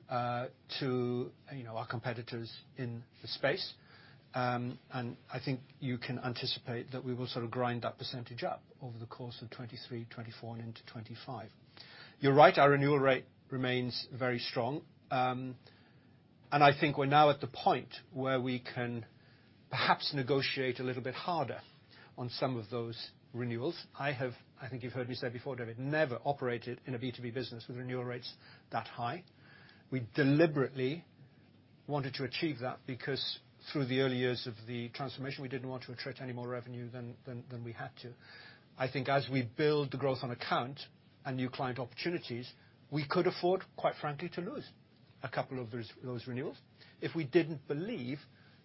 you know, to our competitors in the space. I think you can anticipate that we will sort of grind that percentage up over the course of 2023, 2024, and into 2025. You're right, our renewal rate remains very strong. I think we're now at the point where we can perhaps negotiate a little bit harder on some of those renewals. I have, I think you've heard me say before, David, never operated in a B2B business with renewal rates that high. We deliberately wanted to achieve that because through the early years of the transformation, we didn't want to attrit any more revenue than we had to. I think as we build the growth on account and new client opportunities, we could afford, quite frankly, to lose two of those renewals if we didn't believe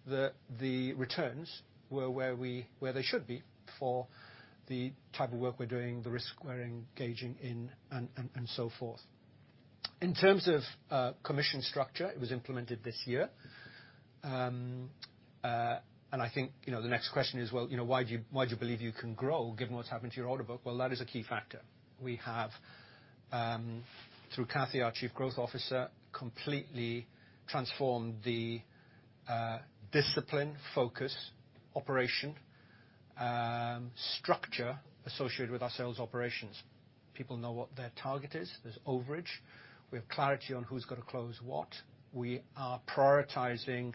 that the returns were where they should be for the type of work we're doing, the risk we're engaging in, and so forth. In terms of commission structure, it was implemented this year. I think, you know, the next question is, well, you know, why do you believe you can grow given what's happened to your order book? That is a key factor. We have, through Kathy, our Chief Growth Officer, completely transformed the discipline, focus, operation, structure associated with our sales operations. People know what their target is. There's overage. We have clarity on who's got to close what. We are prioritizing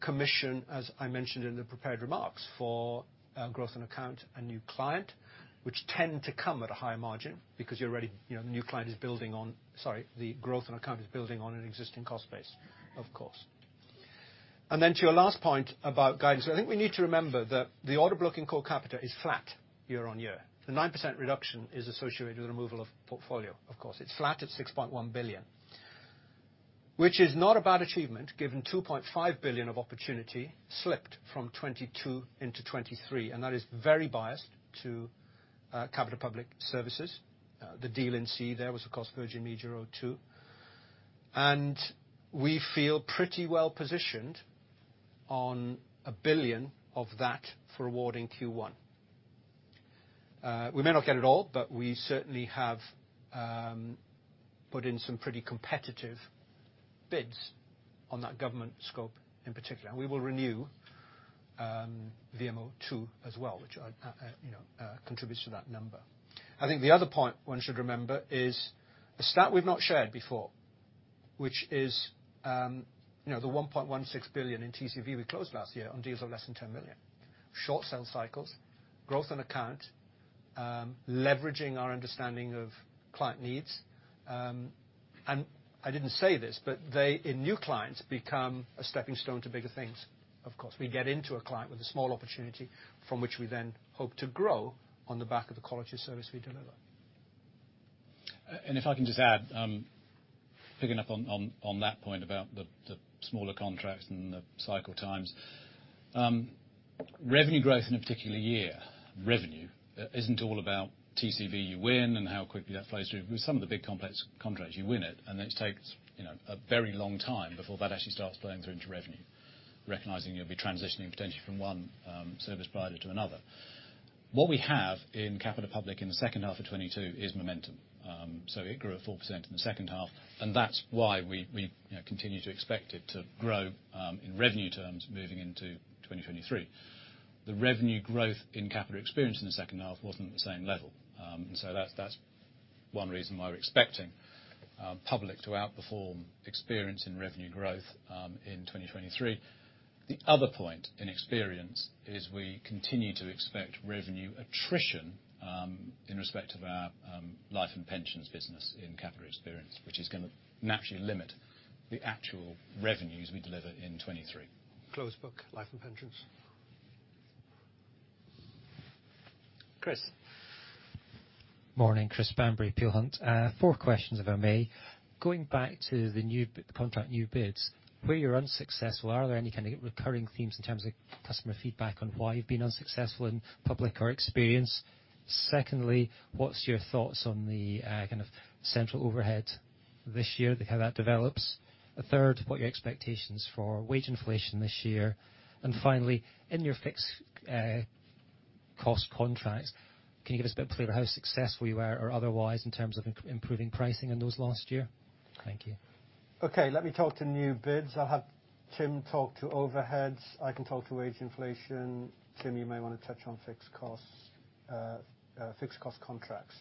commission, as I mentioned in the prepared remarks, for growth on account and new client, which tend to come at a higher margin because you know, the new client is building on Sorry, the growth on account is building on an existing cost base, of course. To your last point about guidance, I think we need to remember that the order book in core Capita is flat year-on-year. The 9% reduction is associated with the removal of portfolio, of course. It's flat at 6.1 billion. Which is not a bad achievement, given 2.5 billion of opportunity slipped from 2022 into 2023, and that is very biased to Capita Public Services. The deal in VMO2 there was, of course, Virgin Media O2. We feel pretty well-positioned on 1 billion of that for award in Q1. We may not get it all, but we certainly have put in some pretty competitive bids on that government scope in particular. We will renew VMO2 as well, which, you know, contributes to that number. I think the other point one should remember is a stat we've not shared before, which is, you know, the 1.16 billion in TCV we closed last year on deals of less than 10 million. Short sales cycles, growth on account, leveraging our understanding of client needs. I didn't say this, but they, in new clients, become a stepping stone to bigger things. We get into a client with a small opportunity from which we then hope to grow on the back of the quality of service we deliver. If I can just add, picking up on, on that point about the smaller contracts and the cycle times. Revenue growth in a particular year, revenue, isn't all about TCV you win and how quickly that flows through. With some of the big complex contracts, you win it, and it takes, you know, a very long time before that actually starts flowing through into revenue. Recognizing you'll be transitioning potentially from one, service provider to another. What we have in Capita Public in the second half of 2022 is momentum. It grew at 4% in the second half, and that's why we, you know, continue to expect it to grow, in revenue terms moving into 2023. The revenue growth in Capita Experience in the second half wasn't at the same level. That's, that's one reason why we're expecting Public to outperform Experience in revenue growth in 2023. The other point in Experience is we continue to expect revenue attrition in respect of our life and pensions business in Capita Experience, which is gonna naturally limit the actual revenues we deliver in 2023. Closed book, life and pensions. Chris. Morning, Christopher Bamberry, Peel Hunt. Four questions if I may. Going back to contract new bids. Where you're unsuccessful, are there any kind of recurring themes in terms of customer feedback on why you've been unsuccessful in Public or Experience? Secondly, what's your thoughts on the kind of central overhead this year, how that develops? Third, what are your expectations for wage inflation this year? Finally, in your fixed cost contracts, can you give us a bit clearer how successful you were or otherwise in terms of improving pricing in those last year? Thank you. Okay, let me talk to new bids. I'll have Tim talk to overheads. I can talk to wage inflation. Tim, you may wanna touch on fixed costs, fixed cost contracts.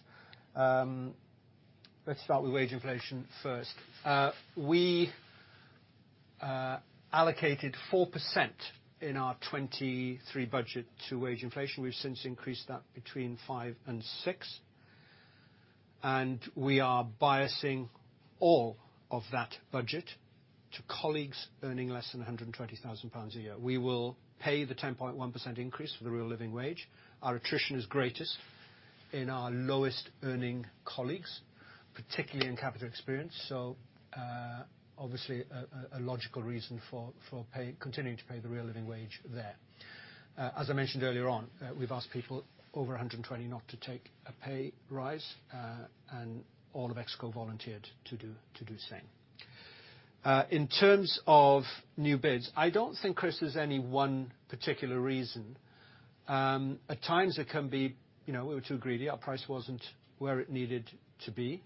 Let's start with wage inflation first. We allocated 4% in our 2023 budget to wage inflation. We've since increased that between 5% and 6%. We are biasing all of that budget to colleagues earning less than 120,000 pounds a year. We will pay the 10.1% increase for the real Living Wage. Our attrition is greatest in our lowest-earning colleagues, particularly in Capita Experience. Obviously a logical reason for continuing to pay the real Living Wage there. As I mentioned earlier on, we've asked people over 120 not to take a pay rise, and all of ExCo volunteered to do the same. In terms of new bids, I don't think, Chris, there's any one particular reason. At times it can be, you know, we were too greedy, our price wasn't where it needed to be.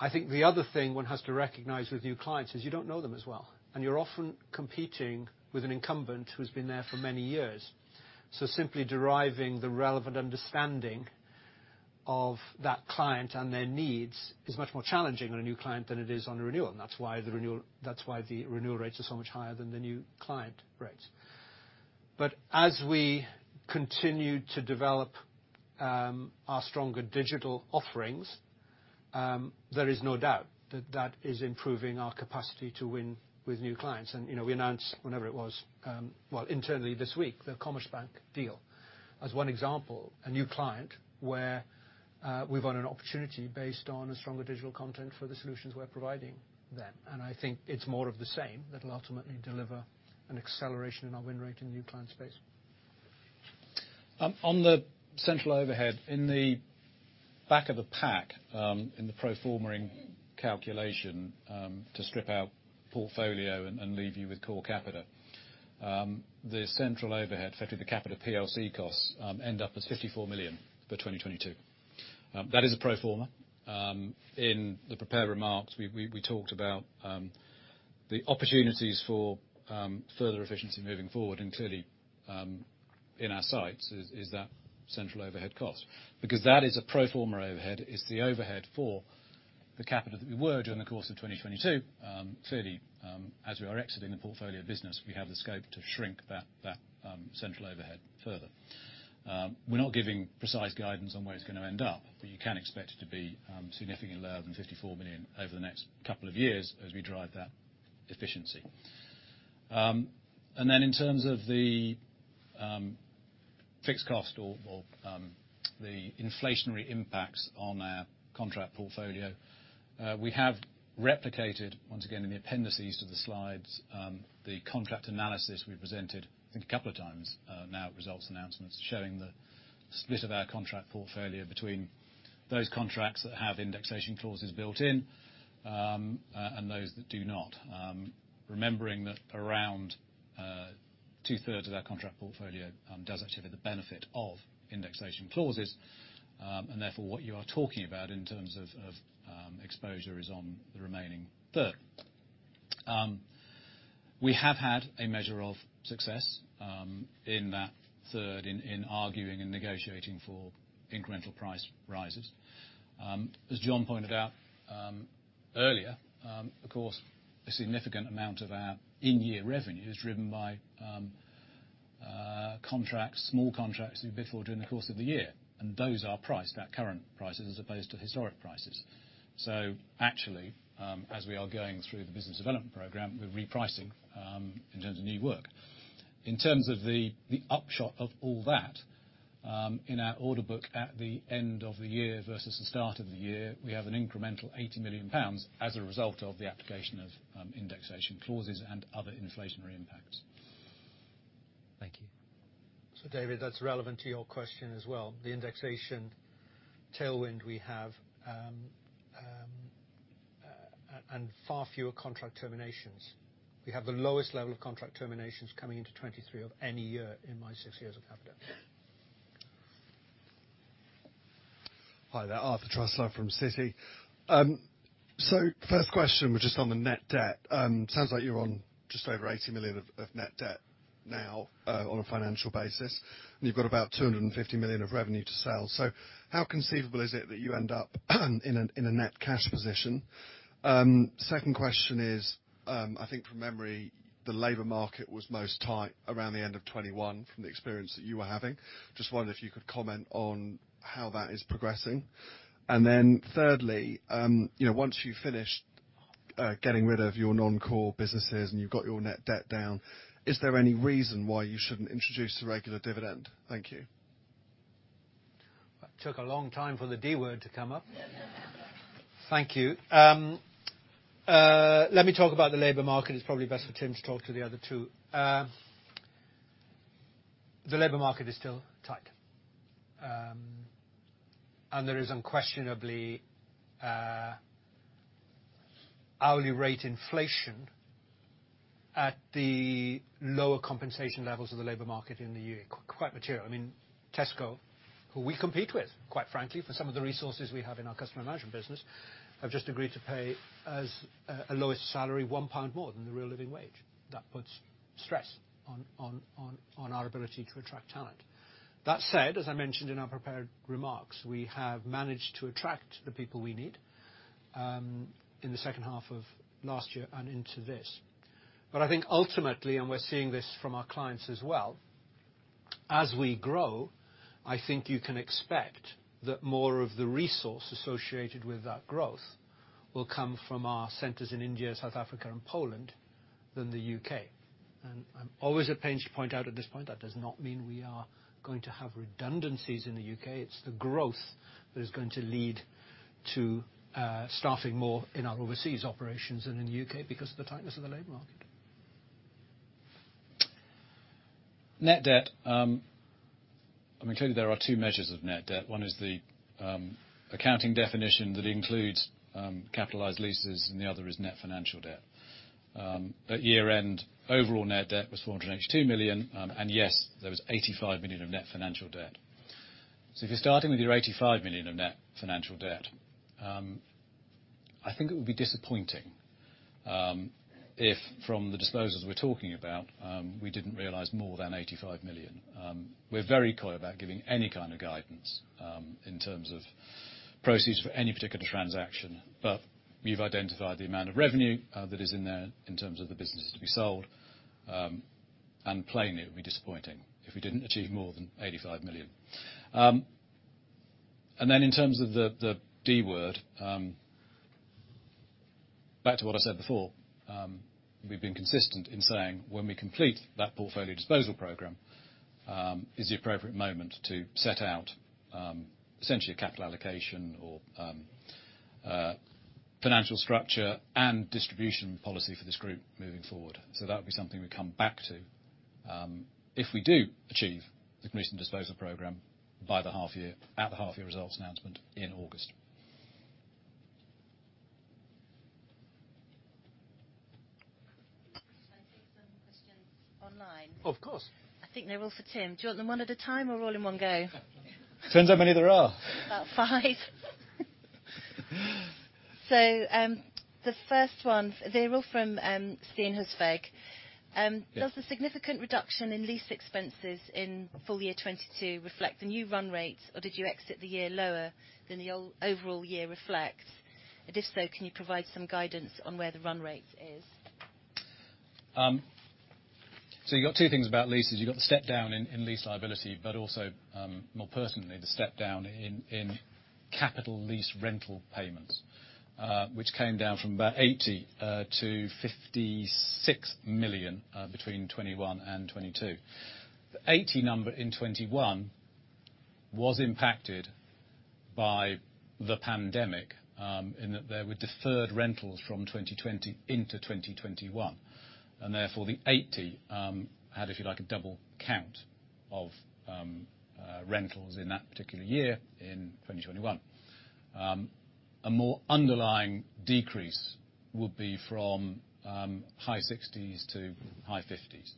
I think the other thing one has to recognize with new clients is you don't know them as well, and you're often competing with an incumbent who's been there for many years. Simply deriving the relevant understanding of that client and their needs is much more challenging on a new client than it is on a renewal. That's why the renewal rates are so much higher than the new client rates. As we continue to develop, our stronger digital offerings, there is no doubt that that is improving our capacity to win with new clients. You know, we announced, whenever it was, well, internally this week, the Commerzbank deal. As one example, a new client where we've won an opportunity based on a stronger digital content for the solutions we're providing them. I think it's more of the same that'll ultimately deliver an acceleration in our win rate in new client space. On the central overhead, in the back of the pack, in the pro forma calculation, to strip out portfolio and leave you with core Capita. The central overhead, effectively the Capita PLC costs, end up as 54 million for 2022. That is a pro forma. In the prepared remarks, we talked about the opportunities for further efficiency moving forward. Clearly, in our sights is that central overhead cost. That is a pro forma overhead. It's the overhead for the Capita that we were during the course of 2022. Clearly, as we are exiting the portfolio business, we have the scope to shrink that central overhead further. We're not giving precise guidance on where it's going to end up, you can expect it to be significantly lower than 54 million over the next two years as we drive that efficiency. In terms of the fixed cost or the inflationary impacts on our contract portfolio. We have replicated, once again in the appendices to the slides, the contract analysis we presented, I think, two times, now results announcements showing the split of our contract portfolio between those contracts that have indexation clauses built in and those that do not. Remembering that around two-thirds of our contract portfolio does actually have the benefit of indexation clauses. What you are talking about in terms of exposure is on the remaining third. We have had a measure of success in arguing and negotiating for incremental price rises. As Jon pointed out earlier, of course, a significant amount of our in-year revenue is driven by contracts, small contracts we bid for during the course of the year, and those are priced at current prices as opposed to historic prices. Actually, as we are going through the business development program, we're repricing in terms of new work. In terms of the upshot of all that, in our order book at the end of the year versus the start of the year, we have an incremental 80 million pounds as a result of the application of indexation clauses and other inflationary impacts. Thank you. David, that's relevant to your question as well. The indexation tailwind we have, far fewer contract terminations. We have the lowest level of contract terminations coming into 23 of any year in my six years of Capita. Hi there, Arthur Truslove from Citi. First question was just on the net debt. Sounds like you're on just over 80 million of net debt now on a financial basis, and you've got about 250 million of revenue to sell. How conceivable is it that you end up in a net cash position? Second question is, I think from memory, the labor market was most tight around the end of 21 from the experience that you were having. Just wondered if you could comment on how that is progressing. Thirdly, you know, once you've finished getting rid of your non-core businesses and you've got your net debt down, is there any reason why you shouldn't introduce a regular dividend? Thank you. That took a long time for the D-word to come up. Thank you. Let me talk about the labor market. It's probably best for Tim to talk to the other two. The labor market is still tight, and there is unquestionably a hourly rate inflation at the lower compensation levels of the labor market in the U.K. Quite material. I mean, Tesco, who we compete with, quite frankly, for some of the resources we have in our customer management business, have just agreed to pay as a lowest salary, 1 pound more than the real Living Wage. That puts stress on our ability to attract talent. That said, as I mentioned in our prepared remarks, we have managed to attract the people we need in the second half of last year and into this. I think ultimately, and we're seeing this from our clients as well, as we grow, I think you can expect that more of the resource associated with that growth will come from our centers in India, South Africa and Poland than the U.K.. I'm always at pains to point out at this point, that does not mean we are going to have redundancies in the U.K.. It's the growth that is going to lead to staffing more in our overseas operations than in the U.K. because of the tightness of the labor market. Net debt, I mean, clearly there are two measures of net debt. One is the accounting definition that includes capitalized leases, and the other is net financial debt. At year-end, overall net debt was 482 million, and yes, there was 85 million of net financial debt. If you're starting with your 85 million of net financial debt, I think it would be disappointing if from the disposals we're talking about, we didn't realize more than 85 million. We're very coy about giving any kind of guidance in terms of proceeds for any particular transaction, but we've identified the amount of revenue that is in there in terms of the business to be sold. Plainly, it would be disappointing if we didn't achieve more than 85 million. In terms of the D-word, back to what I said before, we've been consistent in saying when we complete that portfolio disposal program, is the appropriate moment to set out, essentially a capital allocation or financial structure and distribution policy for this group moving forward. That would be something we come back to, if we do achieve the completion disposal program by the half year, at the half year results announcement in August. I think some questions online. Of course. I think they're all for Tim. Do you want them one at a time or all in one go? Depends how many there are. About five. The first one, they're all from Sten Husberg. Yeah. Does the significant reduction in lease expenses in full year 22 reflect the new run rates, or did you exit the year lower than the overall year reflects? If this so, can you provide some guidance on where the run rate is? You got two things about leases. You got the step down in lease liability, but also more personally, the step down in capital lease rental payments, which came down from about 80 million to 56 million between 2021 and 2022. The 80 number in 2021 was impacted by the pandemic, in that there were deferred rentals from 2020 into 2021. The 80 had, if you like, a double count of rentals in that particular year, in 2021. A more underlying decrease would be from high sixties to high fifties.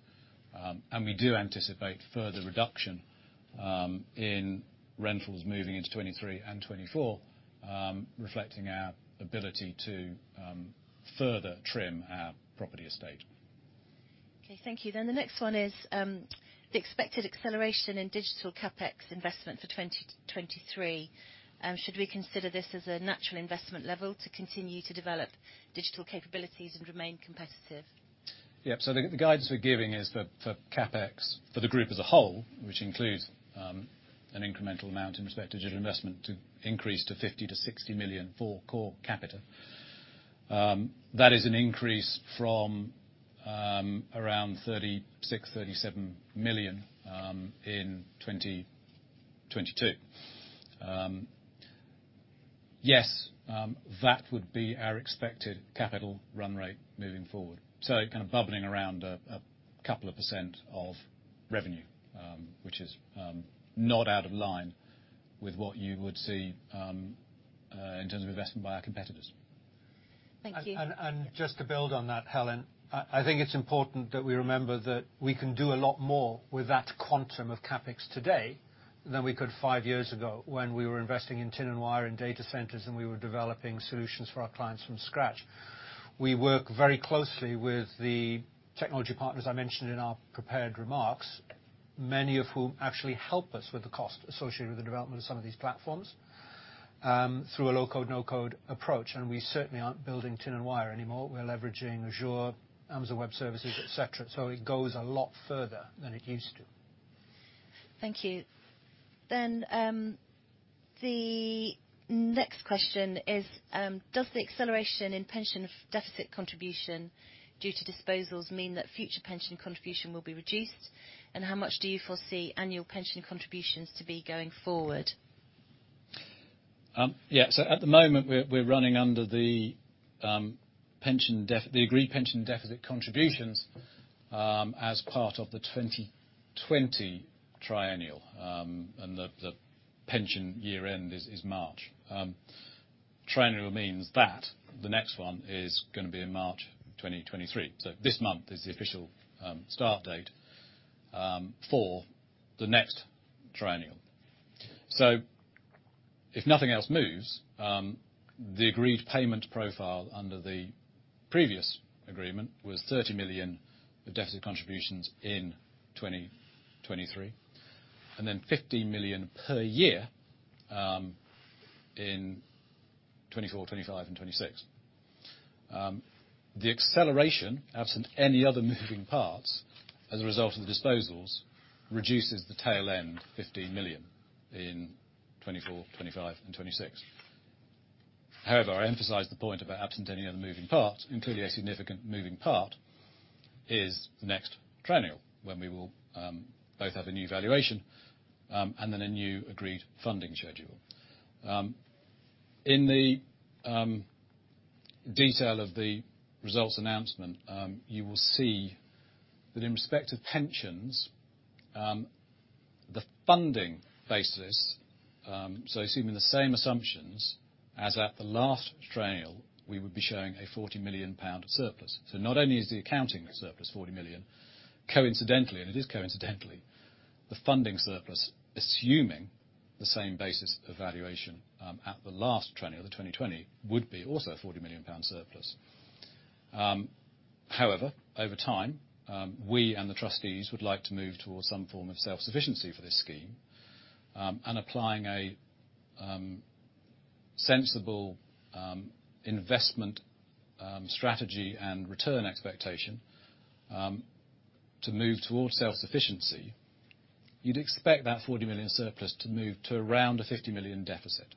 We do anticipate further reduction in rentals moving into 2023 and 2024, reflecting our ability to further trim our property estate. Okay. Thank you. The next one is the expected acceleration in digital CapEx investment for 2023. Should we consider this as a natural investment level to continue to develop digital capabilities and remain competitive? The guidance we're giving is for CapEx for the group as a whole, which includes an incremental amount in respect to digital investment to increase to 50 million-60 million for core Capita. That is an increase from around 36 million-37 million in 2022. Yes, that would be our expected capital run rate moving forward. Kind of bubbling around a couple of % of revenue, which is not out of line with what you would see in terms of investment by our competitors. Thank you. Just to build on that, Helen, I think it's important that we remember that we can do a lot more with that quantum of CapEx today than we could five years ago when we were investing in tin and wire in data centers, and we were developing solutions for our clients from scratch. We work very closely with the technology partners I mentioned in our prepared remarks, many of whom actually help us with the cost associated with the development of some of these platforms, through a low-code, no-code approach. We certainly aren't building tin and wire anymore. We're leveraging Azure, Amazon Web Services, et cetera. It goes a lot further than it used to. Thank you. The next question is, does the acceleration in pension deficit contribution due to disposals mean that future pension contribution will be reduced? How much do you foresee annual pension contributions to be going forward? Yeah. At the moment, we're running under the agreed pension deficit contributions as part of the 2020 triennial. The pension year end is March. Triennial means that the next one is gonna be in March 2023. This month is the official start date for the next triennial. If nothing else moves, the agreed payment profile under the previous agreement was 30 million of deficit contributions in 2023, and then 15 million per year in 2024, 2025 and 2026. The acceleration, absent any other moving parts as a result of the disposals, reduces the tail end 15 million in 2024, 2025 and 2026. I emphasize the point about absent any other moving parts, including a significant moving part, is the next triennial when we will both have a new valuation and then a new agreed funding schedule. In the detail of the results announcement, you will see that in respect to pensions, the funding basis, so assuming the same assumptions as at the last triennial, we would be showing a 40 million pound surplus. Not only is the accounting surplus 40 million, coincidentally, and it is coincidentally, the funding surplus, assuming the same basis of valuation, at the last triennial, the 2020, would be also a 40 million pound surplus. However, over time, we and the trustees would like to move towards some form of self-sufficiency for this scheme, and applying a sensible investment strategy and return expectation to move towards self-sufficiency. You'd expect that 40 million surplus to move to around a 50 million deficit.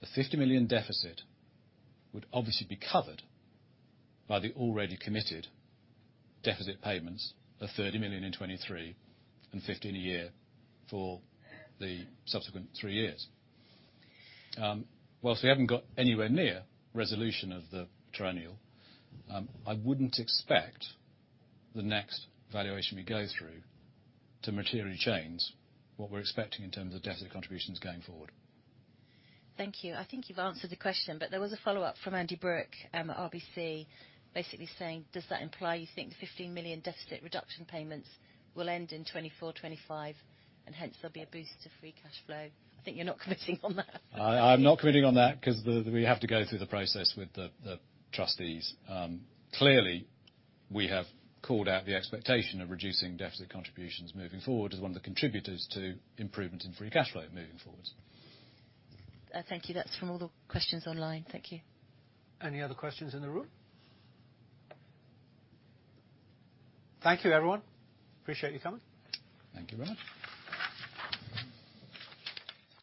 The 50 million deficit would obviously be covered by the already committed deficit payments of 30 million in 2023 and 15 million a year for the subsequent three years. Whilst we haven't got anywhere near resolution of the triennial, I wouldn't expect the next valuation we go through to materially change what we're expecting in terms of deficit contributions going forward. Thank you. I think you've answered the question. There was a follow-up from Andy Brooke at RBC, basically saying, "Does that imply you think the 15 million deficit reduction payments will end in 2024, 2025, and hence there'll be a boost to free cash flow?" I think you're not committing on that. I'm not committing on that 'cause we have to go through the process with the trustees. Clearly, we have called out the expectation of reducing deficit contributions moving forward as one of the contributors to improvement in free cash flow moving forward. Thank you. That's from all the questions online. Thank you. Any other questions in the room? Thank you, everyone. Appreciate you coming. Thank you very much.